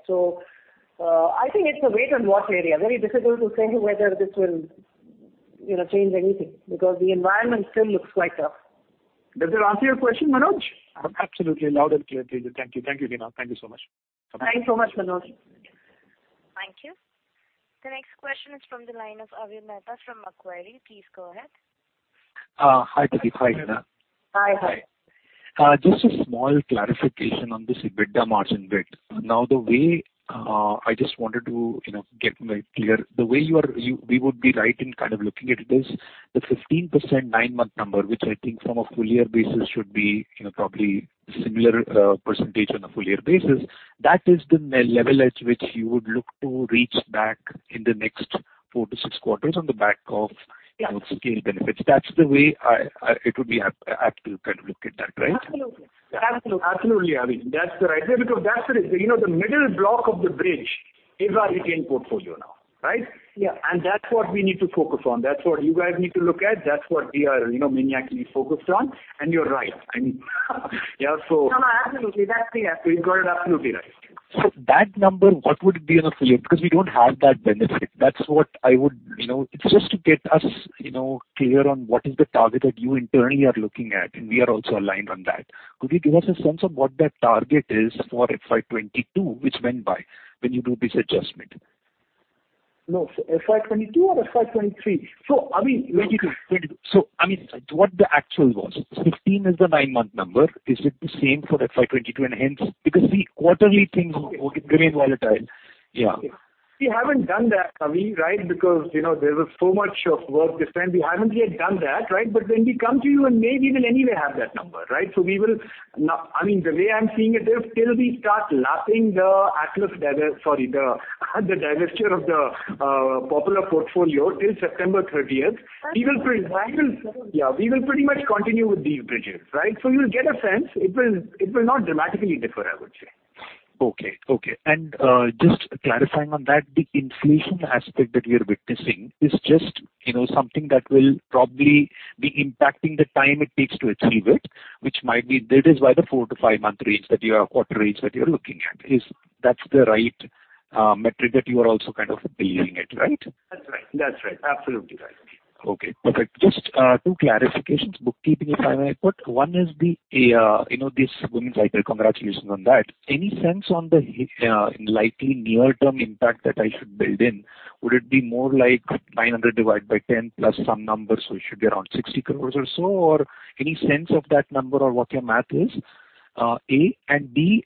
I think it's a wait and watch area. Very difficult to say whether this will, you know, change anything because the environment still looks quite tough. Does that answer your question, Manoj? Absolutely loud and clear. Thank you. Thank you, Hina. Thank you so much. Bye. Thanks so much, Manoj. Thank you. The next question is from the line of Avi Mehta from Macquarie. Please go ahead. Hi, Pradeep. Hi, Hina. Hi. Hi. Just a small clarification on this EBITDA margin bit. Now, the way, I just wanted to, you know, get very clear. The way you are, we would be right in kind of looking at this, the 15% 9-month number, which I think from a full year basis should be, you know, probably similar, percentage on a full year basis. That is the level at which you would look to reach back in the next 4-6 quarters on the back of. Yeah. Gain benefits. That's the way. It would be happy to kind of look at that, right? Absolutely. Absolutely. Absolutely, Avi. That's the you know, the middle block of the bridge is our retained portfolio now, right? Yeah. That's what we need to focus on. That's what you guys need to look at. That's what we are, you know, maniacally focused on. You're right. I mean yeah. No, no, absolutely. That's the F. You got it absolutely right. That number, what would it be on a full year? We don't have that benefit. You know, it's just to get us, you know, clear on what is the target that you internally are looking at, and we are also aligned on that. Could you give us a sense of what that target is for FY 22, which went by, when you do this adjustment? No. FY 22 or FY 23? I mean. 22. 22. I mean, what the actual was. 15 is the 9-month number. Is it the same for FY 2022 and hence... Because the quarterly things were very volatile. Yeah. We haven't done that, Avi, right? You know, there was so much of work this time. We haven't yet done that, right? When we come to you in May, we will anyway have that number, right? We will Now, I mean, the way I'm seeing it is till we start lapping the Atlas, sorry, the divestiture of the Popular portfolio till September 30th, we will. Yeah. We will pretty much continue with these bridges, right? You'll get a sense. It will not dramatically differ, I would say. Okay. Okay. Just clarifying on that, the inflation aspect that we are witnessing is just, you know, something that will probably be impacting the time it takes to achieve it, which might be. That is why the 4-5 month range that you are quarter range that you're looking at is that's the right metric that you are also kind of building it, right? That's right. That's right. Absolutely right. Okay. Perfect. Just 2 clarifications, bookkeeping if I may. One is the, you know, this Women's IPL. Congratulations on that. Any sense on the likely near-term impact that I should build in? Would it be more like 900 divided by 10 plus some number, so it should be around 60 crores or so? Any sense of that number or what your math is, A. B,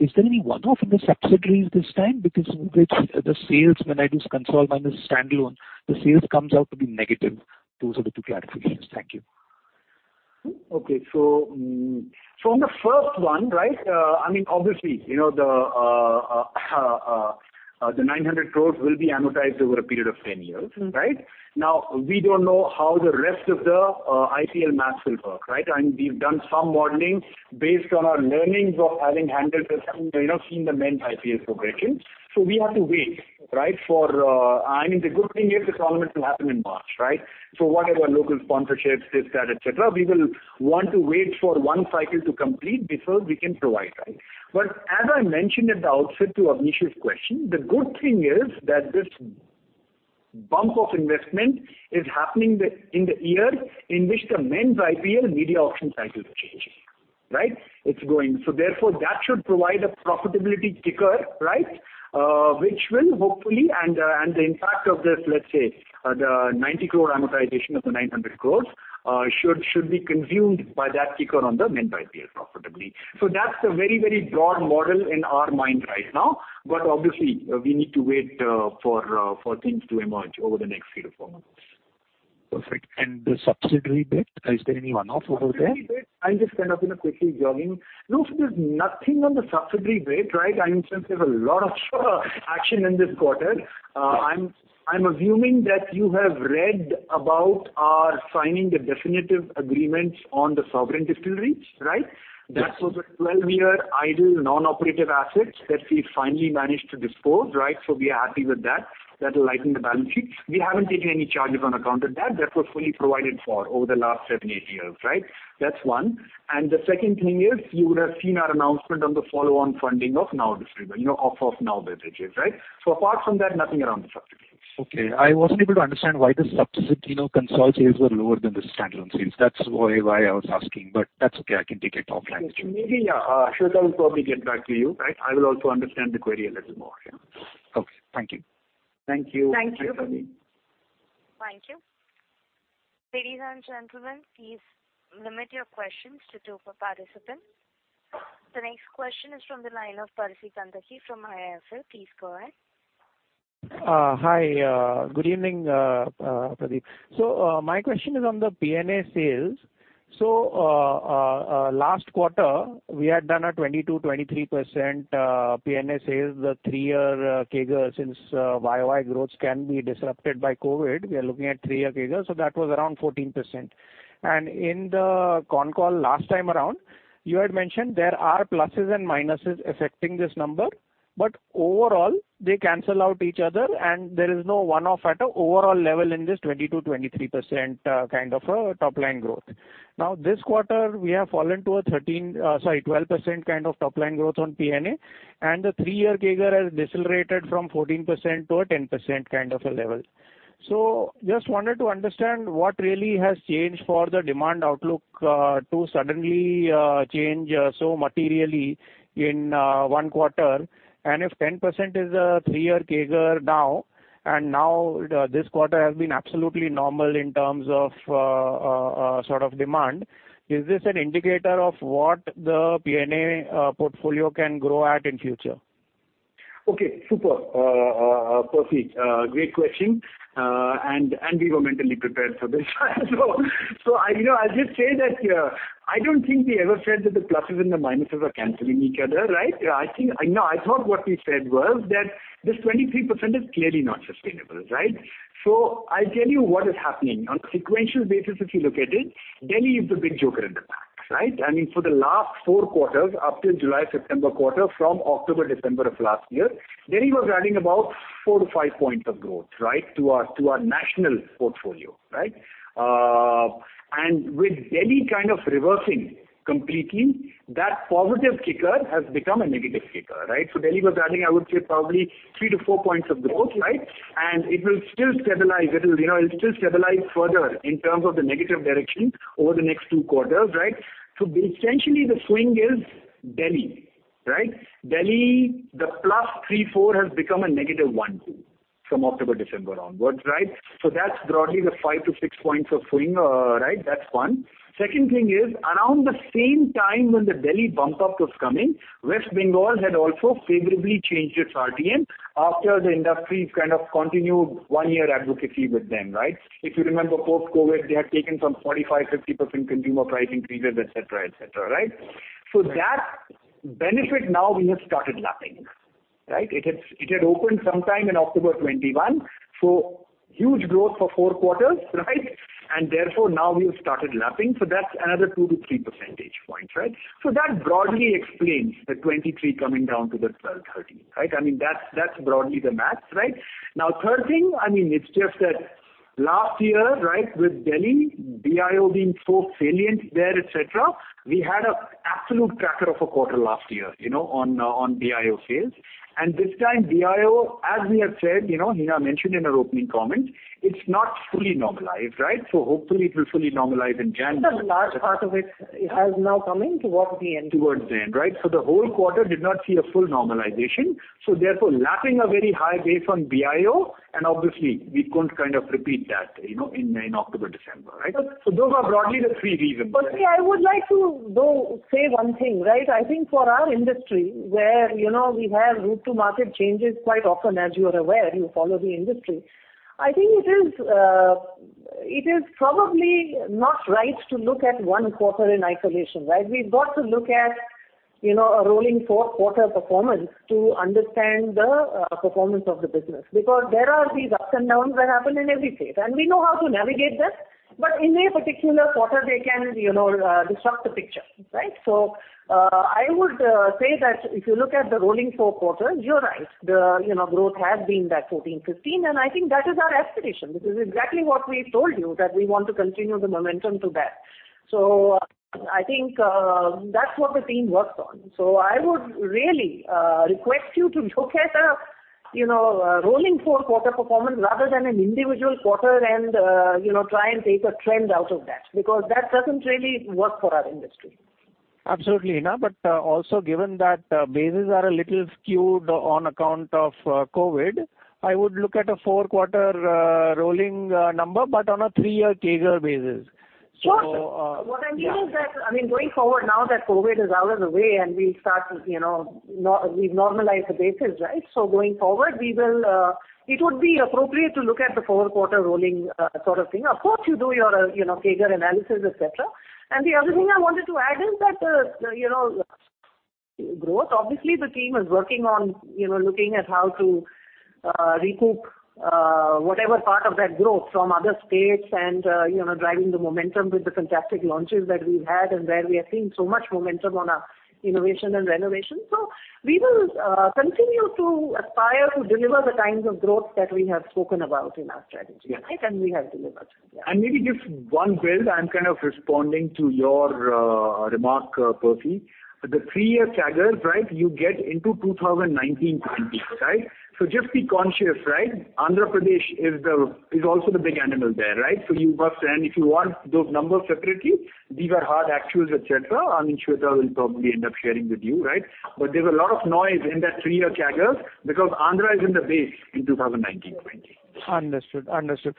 is there any one-off in the subsidiaries this time? With the sales, when I do consult on the standalone, the sales comes out to be negative. Those are the 2 clarifications. Thank you. Okay. From the first one, right, I mean, obviously, you know, the 900 crores will be amortized over a period of 10 years. Mm-hmm. Right? Now, we don't know how the rest of the IPL math will work, right? We've done some modeling based on our learnings of having handled this, having, you know, seen the Men's IPL progression. We have to wait, right? For... I mean, the good thing is the tournament will happen in March, right? Whatever local sponsorships, this, that, et cetera, we will want to wait for one cycle to complete before we can provide, right? As I mentioned at the outset to Abneesh's question, the good thing is that this bump of investment is happening in the year in which the Men's IPL media auction cycle is changing, right? It's growing. Therefore, that should provide a profitability kicker, right, which will hopefully and the impact of this, let's say, the 90 crore amortization of the 900 crore, should be consumed by that kicker on the Men's IPL profitability. That's the very, very broad model in our mind right now. Obviously, we need to wait, for things to emerge over the next three to four months. Perfect. The subsidiary bit, is there any one-off over there? Subsidiary bit, I'll just kind of, you know, quickly jogging. No, there's nothing on the subsidiary bit, right? I mean, since there's a lot of action in this quarter, I'm assuming that you have read about our signing the definitive agreements on the Sovereign Distilleries, right? Mm-hmm. That was a 12-year idle non-operative asset that we finally managed to dispose, right? We are happy with that. That'll lighten the balance sheet. We haven't taken any charges on account of that. That was fully provided for over the last seven, eight years, right? That's one. The second thing is you would have seen our announcement on the follow-on funding of you know, of Nao Spirits & Beverages, right? Apart from that, nothing around the subsidiaries. Okay. I wasn't able to understand why the you know, consult sales were lower than the standalone sales. That's why I was asking. That's okay, I can take it offline. Thank you. Maybe, yeah, Shweta will probably get back to you, right? I will also understand the query a little more. Yeah. Okay. Thank you. Thank you. Thank you. Thanks, Avi. Thank you. Ladies and gentlemen, please limit your questions to 2 per participant. The next question is from the line of Pesi Tantra from IIFL. Please go ahead. Hi, good evening, Pradeep. My question is on the P&A sales. Last quarter, we had done a 22%-23% P&A sales, the 3-year CAGR since YOY growth can be disrupted by COVID. We are looking at 3-year CAGR, that was around 14%. In the con call last time around, you had mentioned there are pluses and minuses affecting this number, but overall, they cancel out each other and there is no one-off at an overall level in this 20%-23% kind of a top line growth. This quarter we have fallen to a 13%, sorry, 12% kind of top line growth on P&A, and the 3-year CAGR has decelerated from 14% to a 10% kind of a level. Just wanted to understand what really has changed for the demand outlook, to suddenly change so materially in one quarter. If 10% is a three-year CAGR now, and now this quarter has been absolutely normal in terms of sort of demand, is this an indicator of what the P&A portfolio can grow at in future? Okay. Super, Pesi. Great question. We were mentally prepared for this, so I, you know, I'll just say that I don't think we ever said that the pluses and the minuses are canceling each other, right? I think... No, I thought what we said was that this 23% is clearly not sustainable, right? I'll tell you what is happening. On a sequential basis if you look at it, Delhi is the big joker in the pack. Right. I mean, for the last four quarters up till July, September quarter, from October, December of last year, Delhi was adding about four to five points of growth, right, to our, to our national portfolio, right? With Delhi kind of reversing completely, that positive kicker has become a negative kicker, right? Delhi was adding, I would say, probably 3-4 points of growth. It'll, you know, still stabilize further in terms of the negative direction over the next 2 quarters. Essentially, the swing is Delhi. Delhi, the +3-4 has become a -1-2 from October-December onwards. That's broadly the 5-6 points of swing. That's one. Second thing is, around the same time when the Delhi bump-up was coming, West Bengal had also favorably changed its RTM after the industry's kind of continued one-year advocacy with them. If you remember post-COVID, they had taken some 45%, 50% consumer price increases, et cetera, et cetera. That benefit now we have started lapping. It had opened sometime in October 2021, so huge growth for 4 quarters. Therefore now we have started lapping. That's another 2 to 3 percentage points, right? That broadly explains the 23 coming down to the 12, 13, right? I mean, that's broadly the maths, right? Third thing, I mean, it's just that last year, right, with Delhi, Diageo being so salient there, et cetera, we had a absolute cracker of a quarter last year, you know, on Diageo sales. This time, Diageo, as we have said, you know, Hina mentioned in her opening comments, it's not fully normalized, right? Hopefully it will fully normalize in January. A large part of it has now come in towards the end. Towards the end, right. The whole quarter did not see a full normalization, so therefore lapping a very high base on Diageo, and obviously we couldn't kind of repeat that, you know, in October, December, right? Those are broadly the three reasons. Pesi, I would like to, though, say one thing, right? I think for our industry, where, you know, we have route to market changes quite often, as you are aware, you follow the industry. I think it is probably not right to look at one quarter in isolation, right? We've got to look at, you know, a rolling four-quarter performance to understand the performance of the business. There are these ups and downs that happen in every state, and we know how to navigate them. In a particular quarter, they can, you know, disrupt the picture, right? I would say that if you look at the rolling four quarters, you're right. The, you know, growth has been that 14%-15%, and I think that is our aspiration. This is exactly what we told you, that we want to continue the momentum to that. I think that's what the team works on. I would really request you to look at a, you know, a rolling four-quarter performance rather than an individual quarter and, you know, try and take a trend out of that, because that doesn't really work for our industry. Absolutely, Hina. Also given that, bases are a little skewed on account of COVID, I would look at a 4-quarter, rolling, number, but on a 3-year CAGR basis. Sure. What I mean is that, I mean, going forward now that COVID is out of the way and we'll start, you know, we've normalized the bases, right? Going forward, we will, it would be appropriate to look at the 4-quarter rolling sort of thing. Of course, you do your, you know, CAGR analysis, et cetera. The other thing I wanted to add is that, you know, growth, obviously the team is working on, you know, looking at how to recoup whatever part of that growth from other states and, you know, driving the momentum with the fantastic launches that we've had and where we are seeing so much momentum on our innovation and renovation. We will continue to aspire to deliver the kinds of growth that we have spoken about in our strategy, right, and we have delivered. Maybe give one build. I'm kind of responding to your remark, Pesi. The 3-year CAGR, you get into 2019, 2020. Just be conscious. Andhra Pradesh is also the big animal there. You must... and if you want those numbers separately, these are hard actuals, et cetera. Shweta will probably end up sharing with you. There's a lot of noise in that 3-year CAGR because Andhra is in the base in 2019, 2020. Understood. Understood.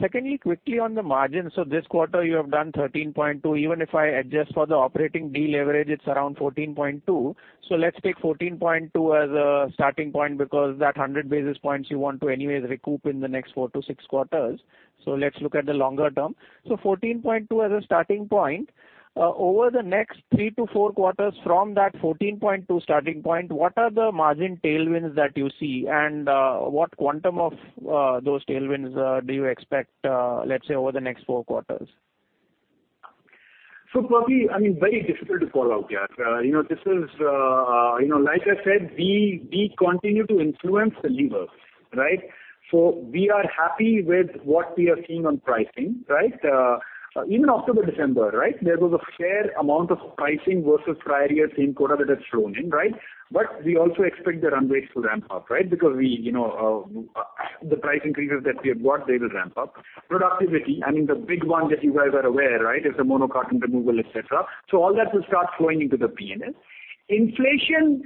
Secondly, quickly on the margins. This quarter you have done 13.2%. Even if I adjust for the operating deleverage, it's around 14.2%. Let's take 14.2% as a starting point because that 100 basis points you want to anyways recoup in the next 4-6 quarters. Let's look at the longer term. 14.2% as a starting point. Over the next 3-4 quarters from that 14.2% starting point, what are the margin tailwinds that you see and what quantum of those tailwinds do you expect let's say over the next four quarters? Pesi, I mean, very difficult to call out here. This is, like I said, we continue to influence the levers, right? We are happy with what we are seeing on pricing, right? Even October-December, right, there was a fair amount of pricing versus prior year same quarter that has flown in, right? We also expect the run rates to ramp up, right? Because we, the price increases that we have got, they will ramp up. Productivity, I mean, the big one that you guys are aware, right, is the mono carton removal, et cetera. All that will start flowing into the P&L. Inflation,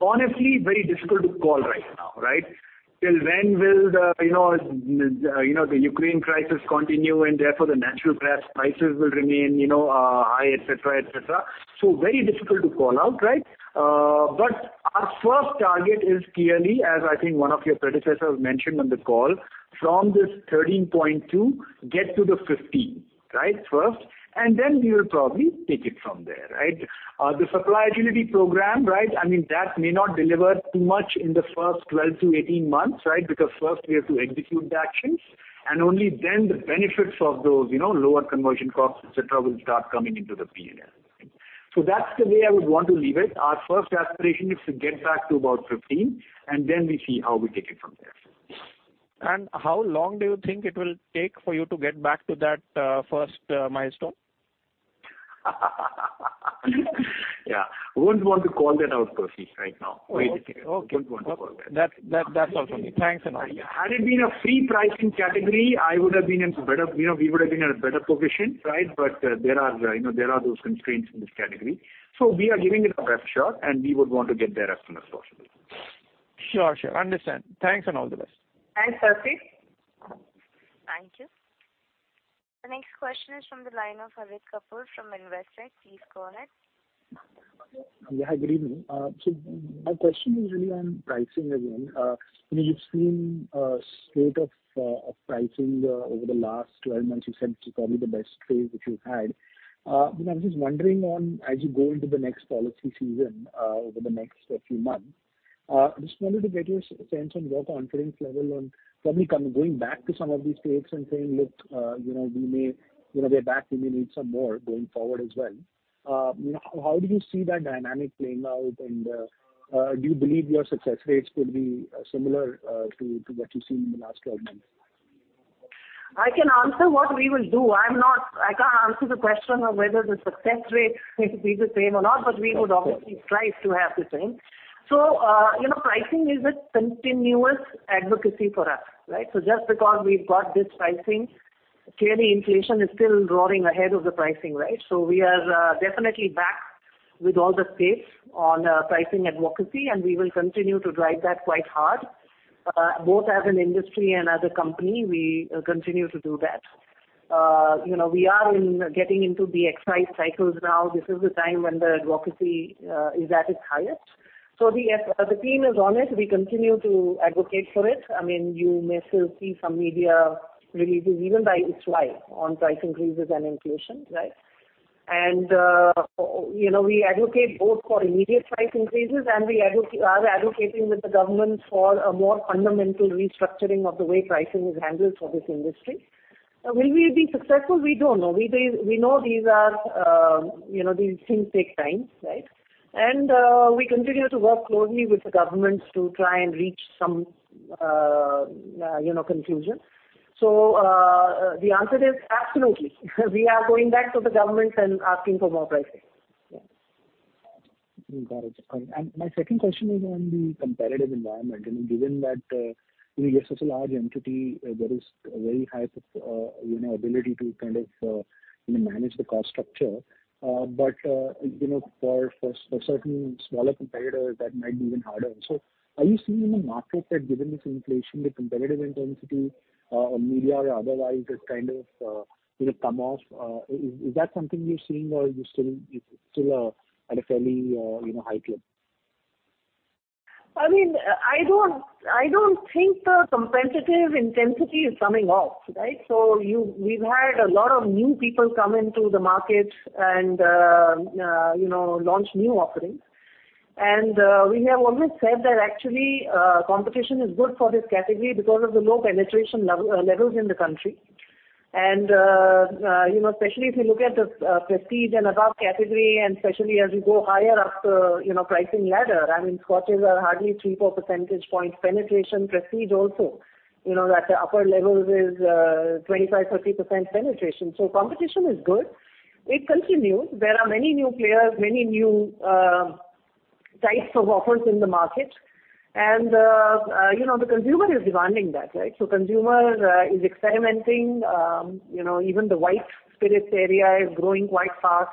honestly, very difficult to call right now, right? Till when will the, you know, you know, the Ukraine crisis continue and therefore the natural gas prices will remain, you know, high, et cetera, et cetera. Very difficult to call out, right? But our first target is clearly, as I think one of your predecessors mentioned on the call, from this 13.2, get to the 15, right, first, and then we will probably take it from there, right? The supply agility program, right, I mean, that may not deliver too much in the first 12-18 months, right? Because first we have to execute the actions and only then the benefits of those, you know, lower conversion costs, et cetera, will start coming into the P&L. That's the way I would want to leave it. Our first aspiration is to get back to about 15, and then we see how we take it from there. How long do you think it will take for you to get back to that, 1st milestone? Yeah. Wouldn't want to call that out, Pesi, right now. Okay. Wouldn't want to call that. That's all from me. Thanks. Had it been a free pricing category, you know, we would have been in a better position, right? There are, you know, those constraints in this category. We are giving it our best shot, and we would want to get there as soon as possible. Sure. Understand. Thanks. All the best. Thanks, Pesi. Thank you. The next question is from the line of Harit Kapoor from Investec. Please go ahead. Good evening. My question is really on pricing again. You've seen a state of pricing over the last 12 months. You said this is probably the best trade that you've had. I'm just wondering on as you go into the next policy season over the next few months, just wanted to get your sense on your confidence level on probably going back to some of these trades and saying, "Look, you know, we're back. We may need some more going forward as well." How do you see that dynamic playing out? Do you believe your success rates will be similar to what you've seen in the last 12 months? I can answer what we will do. I can't answer the question of whether the success rate is the same or not, but we would obviously strive to have the same. You know, pricing is a continuous advocacy for us, right? Just because we've got this pricing, clearly inflation is still roaring ahead of the pricing, right? We are, definitely back with all the pace on, pricing advocacy, and we will continue to drive that quite hard. Both as an industry and as a company, we continue to do that. You know, we are getting into the excise cycles now. This is the time when the advocacy, is at its highest. The, the team is on it. We continue to advocate for it. I mean, you may still see some media releases even by ISWAI on price increases and inflation, right? You know, we advocate both for immediate price increases, and we are advocating with the government for a more fundamental restructuring of the way pricing is handled for this industry. Will we be successful? We don't know. We know these are, you know, these things take time, right? We continue to work closely with the governments to try and reach some, you know, conclusion. The answer is absolutely. We are going back to the governments and asking for more pricing. Yeah. Got it. My second question is on the competitive environment. You know, given that you're such a large entity, there is a very high, you know, ability to kind of manage the cost structure. But, you know, for certain smaller competitors, that might be even harder. So are you seeing in the market that given this inflation, the competitive intensity on media or otherwise has kind of, you know, come off? Is that something you're seeing or you still, it's still at a fairly, you know, high clip? I mean, I don't think the competitive intensity is coming off, right? We've had a lot of new people come into the market and, you know, launch new offerings. We have always said that actually, competition is good for this category because of the low penetration levels in the country. Especially if you look at the Prestige and Above category, and especially as you go higher up the, you know, pricing ladder, I mean, scotches are hardly three, four percentage points penetration. Prestige also, you know, at the upper levels is 25%, 30% penetration. Competition is good. It continues. There are many new players, many new types of offers in the market. The consumer is demanding that, right? Consumer is experimenting. You know, even the white spirits area is growing quite fast.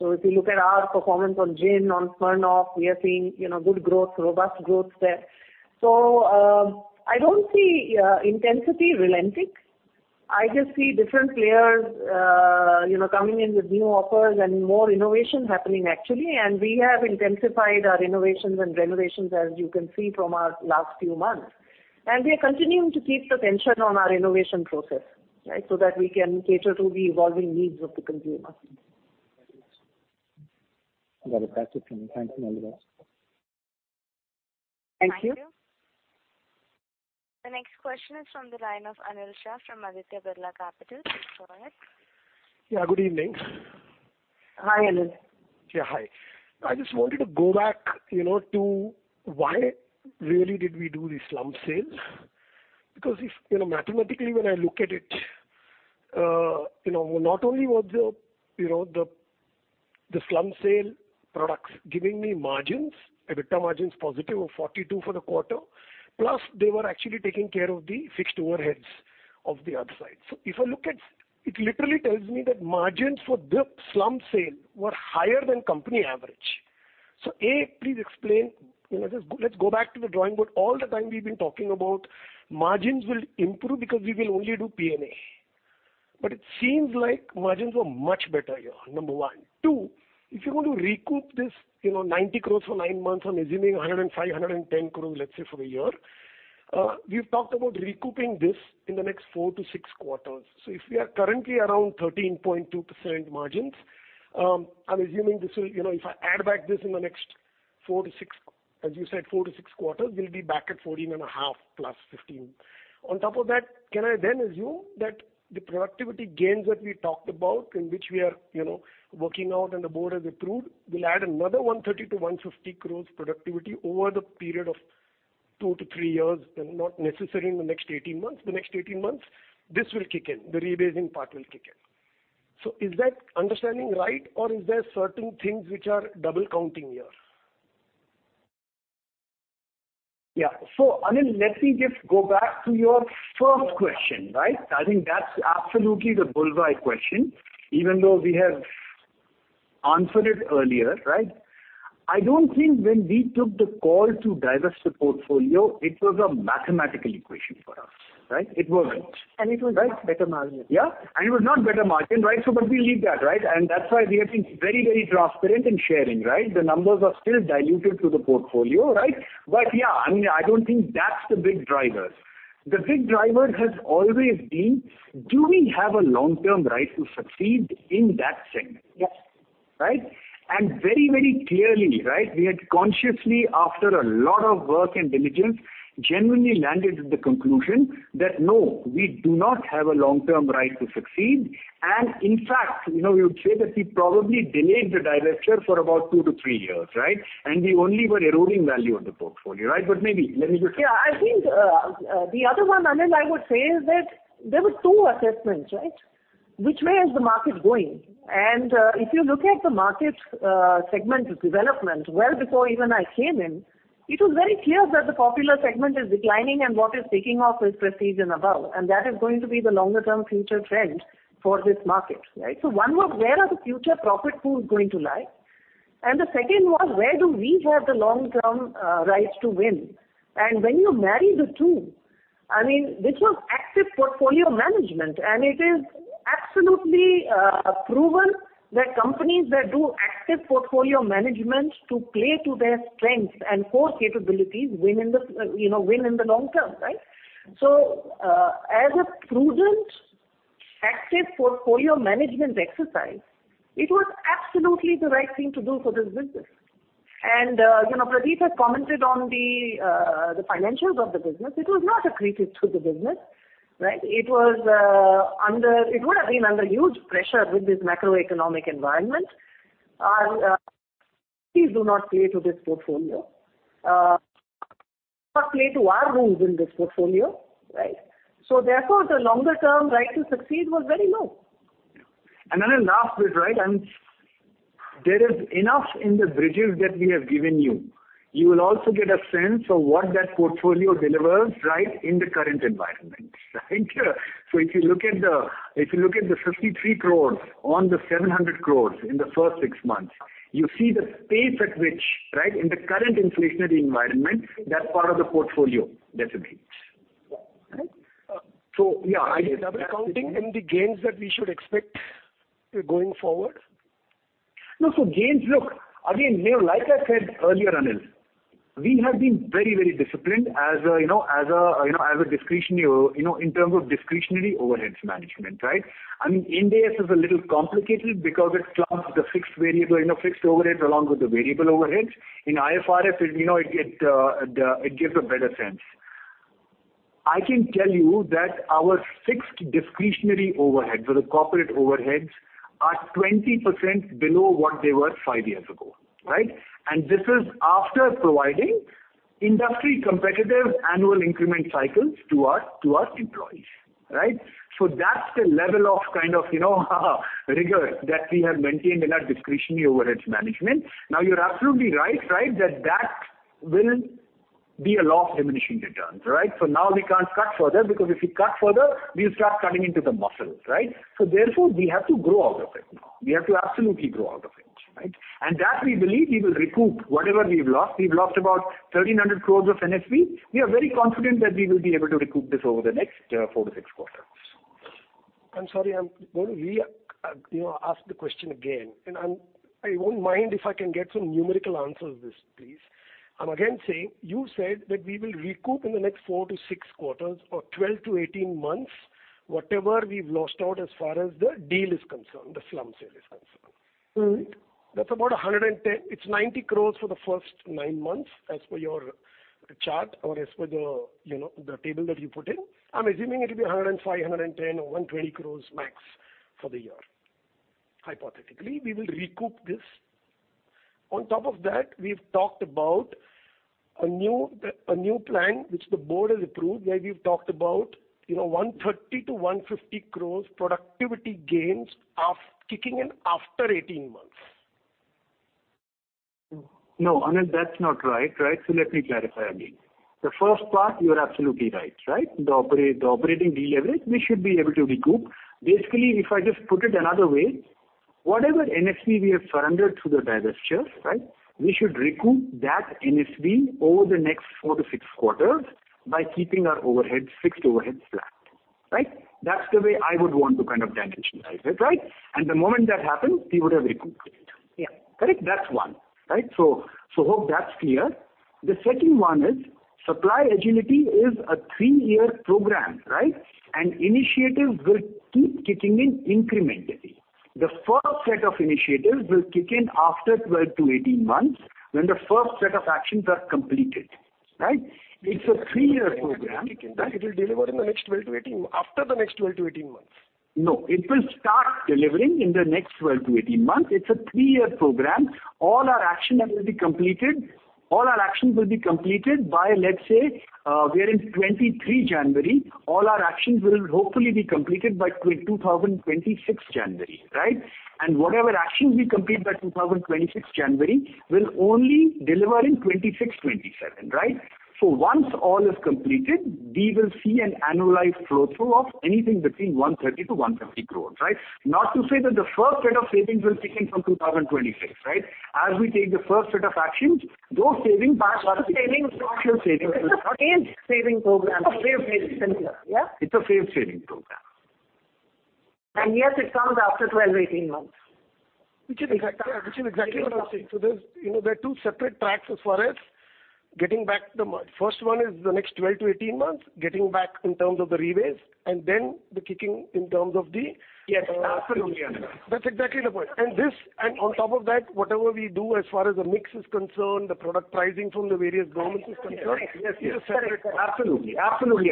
If you look at our performance on gin, on Smirnoff, we are seeing, you know, good growth, robust growth there. I don't see intensity relenting. I just see different players, you know, coming in with new offers and more innovation happening actually. We have intensified our innovations and renovations, as you can see from our last few months. We are continuing to keep the tension on our innovation process, right, so that we can cater to the evolving needs of the consumer. Got it. That's it from me. Thanks and all the best. Thank you. Thank you. The next question is from the line of Anil Shah from Aditya Birla Capital. Please go ahead. Yeah, good evening. Hi, Anil. Yeah, hi. I just wanted to go back, you know, to why really did we do the Popular brands sales? Because if, you know, mathematically, when I look at it, you know, not only was the, you know, the Popular brands sale products giving me margins, EBITDA margins positive of 42% for the quarter, plus they were actually taking care of the fixed overheads of the other side. If I look at It literally tells me that margins for the Popular brands sale were higher than company average. A, please explain. You know, just let's go back to the drawing board. All the time we've been talking about margins will improve because we will only do P&A. It seems like margins were much better here, number one. If you want to recoup this, you know, 90 crore for 9 months, I'm assuming 105-110 crore, let's say, for a year. We've talked about recouping this in the next 4 to 6 quarters. If we are currently around 13.2% margins, I'm assuming this will, you know, if I add back this in the next 4 to 6 quarters, we'll be back at 14.5% plus 15%. On top of that, can I assume that the productivity gains that we talked about, in which we are, you know, working out and the board has approved, will add another 130-150 crore productivity over the period of 2 to 3 years, and not necessarily in the next 18 months. The next 18 months, this will kick in, the re-basing part will kick in. Is that understanding right, or is there certain things which are double counting here? Yeah. Anil, let me just go back to your first question, right? I think that's absolutely the bull's-eye question. Even though we have answered it earlier, right? I don't think when we took the call to divest the portfolio, it was a mathematical equation for us, right? It wasn't. It was not better margin. Yeah. It was not better margin, right. We leave that, right? That's why we have been very, very transparent in sharing, right? The numbers are still diluted through the portfolio, right? Yeah, I mean, I don't think that's the big drivers. The big driver has always been, do we have a long-term right to succeed in that segment? Yes. Right? Very, very clearly, right, we had consciously, after a lot of work and diligence, genuinely landed at the conclusion that, no, we do not have a long-term right to succeed. In fact, you know, you'd say that we probably delayed the divesture for about two to three years, right? We only were eroding value on the portfolio, right? Maybe, let me just. Yeah, I think, the other one, Anil, I would say is that there were two assessments, right? Which way is the market going? If you look at the market, segment development, well, before even I came in, it was very clear that the Popular segment is declining and what is taking off is Prestige and Above, and that is going to be the longer term future trend for this market, right? One was where are the future profit pools going to lie? The second was, where do we have the long-term rights to win? When you marry the two, I mean, this was active portfolio management, and it is absolutely proven that companies that do active portfolio management to play to their strengths and core capabilities win in the, you know, win in the long term, right? As a prudent active portfolio management exercise, it was absolutely the right thing to do for this business. You know, Pradeep has commented on the financials of the business. It was not accretive to the business, right? It would have been under huge pressure with this macroeconomic environment. Please do not play to this portfolio. Play to our rules in this portfolio, right? Therefore, the longer term right to succeed was very low. The last bit, right. There is enough in the bridges that we have given you. You will also get a sense of what that portfolio delivers right in the current environment, right. If you look at the 53 crores on the 700 crores in the first six months, you see the pace at which, right, in the current inflationary environment, that part of the portfolio dissipates. Yeah. Right? yeah, I think. Are you double counting in the gains that we should expect going forward? No. Gains, look, again, you know, like I said earlier, Anil, we have been very, very disciplined as a discretionary in terms of discretionary overheads management, right? I mean, Ind AS is a little complicated because it clumps the fixed variable, fixed overheads along with the variable overheads. In IFRS, you know, it gives a better sense. I can tell you that our fixed discretionary overheads or the corporate overheads are 20% below what they were 5 years ago, right? This is after providing industry competitive annual increment cycles to our employees, right? That's the level of kind of, you know, rigor that we have maintained in our discretionary overheads management. You're absolutely right that that will be a law of diminishing returns, right? Now we can't cut further because if we cut further, we'll start cutting into the muscle, right? Therefore, we have to grow out of it now. We have to absolutely grow out of it, right? That we believe we will recoup whatever we've lost. We've lost about 1,300 crores of NFP. We are very confident that we will be able to recoup this over the next 4-6 quarters. I'm sorry. I'm going to re, you know, ask the question again. I won't mind if I can get some numerical answers to this, please. I'm again saying you said that we will recoup in the next 4-6 quarters or 12-18 months, whatever we've lost out as far as the deal is concerned, the slum sale is concerned. Mm-hmm. That's about 110... It's 90 crores for the first 9 months, as per your chart or as per the, you know, the table that you put in. I'm assuming it'll be 105, 110 or 120 crores max for the year. Hypothetically, we will recoup this. On top of that, we've talked about a new plan which the board has approved, where we've talked about, you know, 130-150 crores productivity gains of kicking in after 18 months. No, Anil, that's not right. Right? Let me clarify again. The first part, you're absolutely right. Right? The operating deleverage, we should be able to recoup. Basically, if I just put it another way, whatever NFP we have surrendered through the divestitures, right, we should recoup that NFP over the next four to six quarters by keeping our overheads, fixed overheads flat. Right? That's the way I would want to kind of dimensionalize it, right? The moment that happens, we would have recouped it. Yeah. Correct? That's one. Right? Hope that's clear. The second one is supply agility is a three-year program, right? Initiatives will keep kicking in incrementally. The first set of initiatives will kick in after 12-18 months when the first set of actions are completed. Right? It's a three-year program. It will deliver after the next 12-18 months. It will start delivering in the next 12 to 18 months. It's a three-year program. All our action items will be completed. All our actions will be completed by, let's say, we are in 2023 January. All our actions will hopefully be completed by 2026 January, right? Whatever actions we complete by 2026 January will only deliver in 2026, 2027, right? Once all is completed, we will see an annualized flow through of anything between 130 crore to 150 crore, right? Not to say that the first set of savings will kick in from 2026, right? As we take the first set of actions, those savings- Phased saving. Actual savings. Phased saving program. Same phase, similar. Yeah. It's a phased saving program. Yes, it comes after 12-18 months. Yeah. Which is exactly what I'm saying. There's, you know, there are two separate tracks as far as getting back the mon- First one is the next 12 to 18 months, getting back in terms of the rebase, and then the kicking in terms of the. Yes, absolutely Anil. That's exactly the point. On top of that, whatever we do as far as the mix is concerned, the product pricing from the various governments is concerned. Yes. Yes. It's a separate- Absolutely,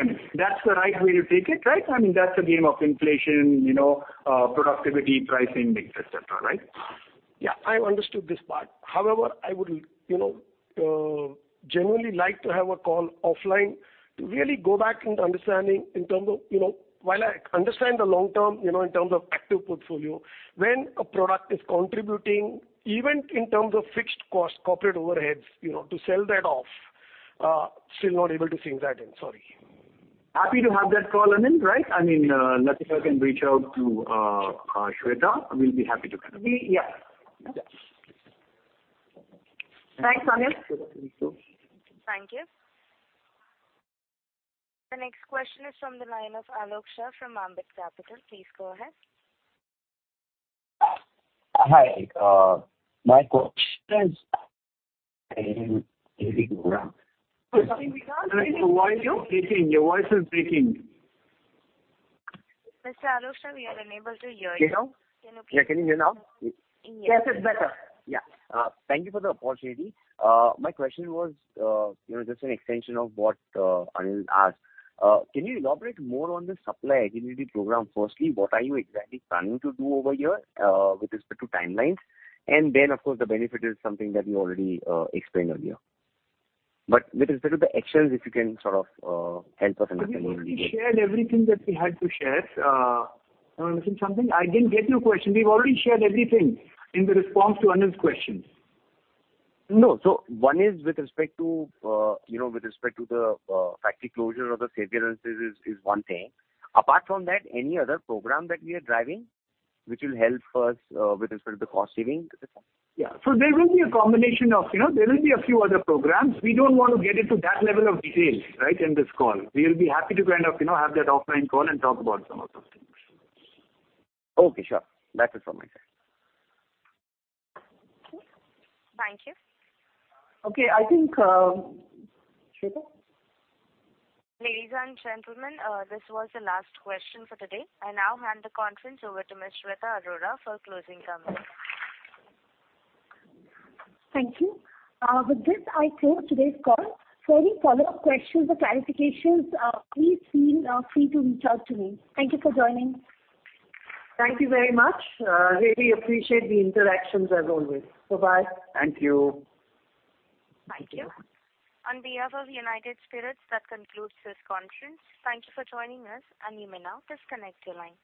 Anil. That's the right way to take it, right? I mean, that's a game of inflation, you know, productivity, pricing, mix, et cetera, right? Yeah, I understood this part. I would, you know, generally like to have a call offline to really go back into understanding in terms of, you know. While I understand the long-term, you know, in terms of active portfolio, when a product is contributing, even in terms of fixed costs, corporate overheads, you know, to sell that off, still not able to sink that in. Sorry. Happy to have that call, Anil, right? I mean, Latika can reach out to Shweta. We'll be happy to connect. We. Yeah. Yeah. Thanks, Anil. Thank you. Thank you. The next question is from the line of Alok Shah from Ambit Capital. Please go ahead. Hi. My question is? Your voice is breaking. Mr. Alok Shah, we are unable to hear you. Can you hear now? Can you please... Yeah. Can you hear now? Yes. Yes, it's better. Yeah. Thank you for the opportunity. My question was, you know, just an extension of what Anil asked. Can you elaborate more on the supply agility program? Firstly, what are you exactly planning to do over here, with respect to timelines? Of course, the benefit is something that you already explained earlier. With respect to the actions, if you can sort of, help us understand a little bit. We've already shared everything that we had to share. Alok, is it something? I didn't get your question. We've already shared everything in the response to Anil's questions. One is with respect to, you know, with respect to the factory closure or the save the rents is one thing. Apart from that, any other program that we are driving which will help us with respect to the cost saving? Yeah. There will be a combination of, you know, there will be a few other programs. We don't want to get into that level of details, right, in this call. We'll be happy to kind of, you know, have that offline call and talk about some of those things. Okay, sure. That is all my side. Thank you. Okay. I think, Shweta? Ladies and gentlemen, this was the last question for today. I now hand the conference over to Ms. Shweta Arora for closing comments. Thank you. With this I close today's call. For any follow-up questions or clarifications, please feel free to reach out to me. Thank you for joining. Thank you very much. Really appreciate the interactions as always. Bye-bye. Thank you. Thank you. On behalf of United Spirits, that concludes this conference. Thank you for joining us, and you may now disconnect your lines.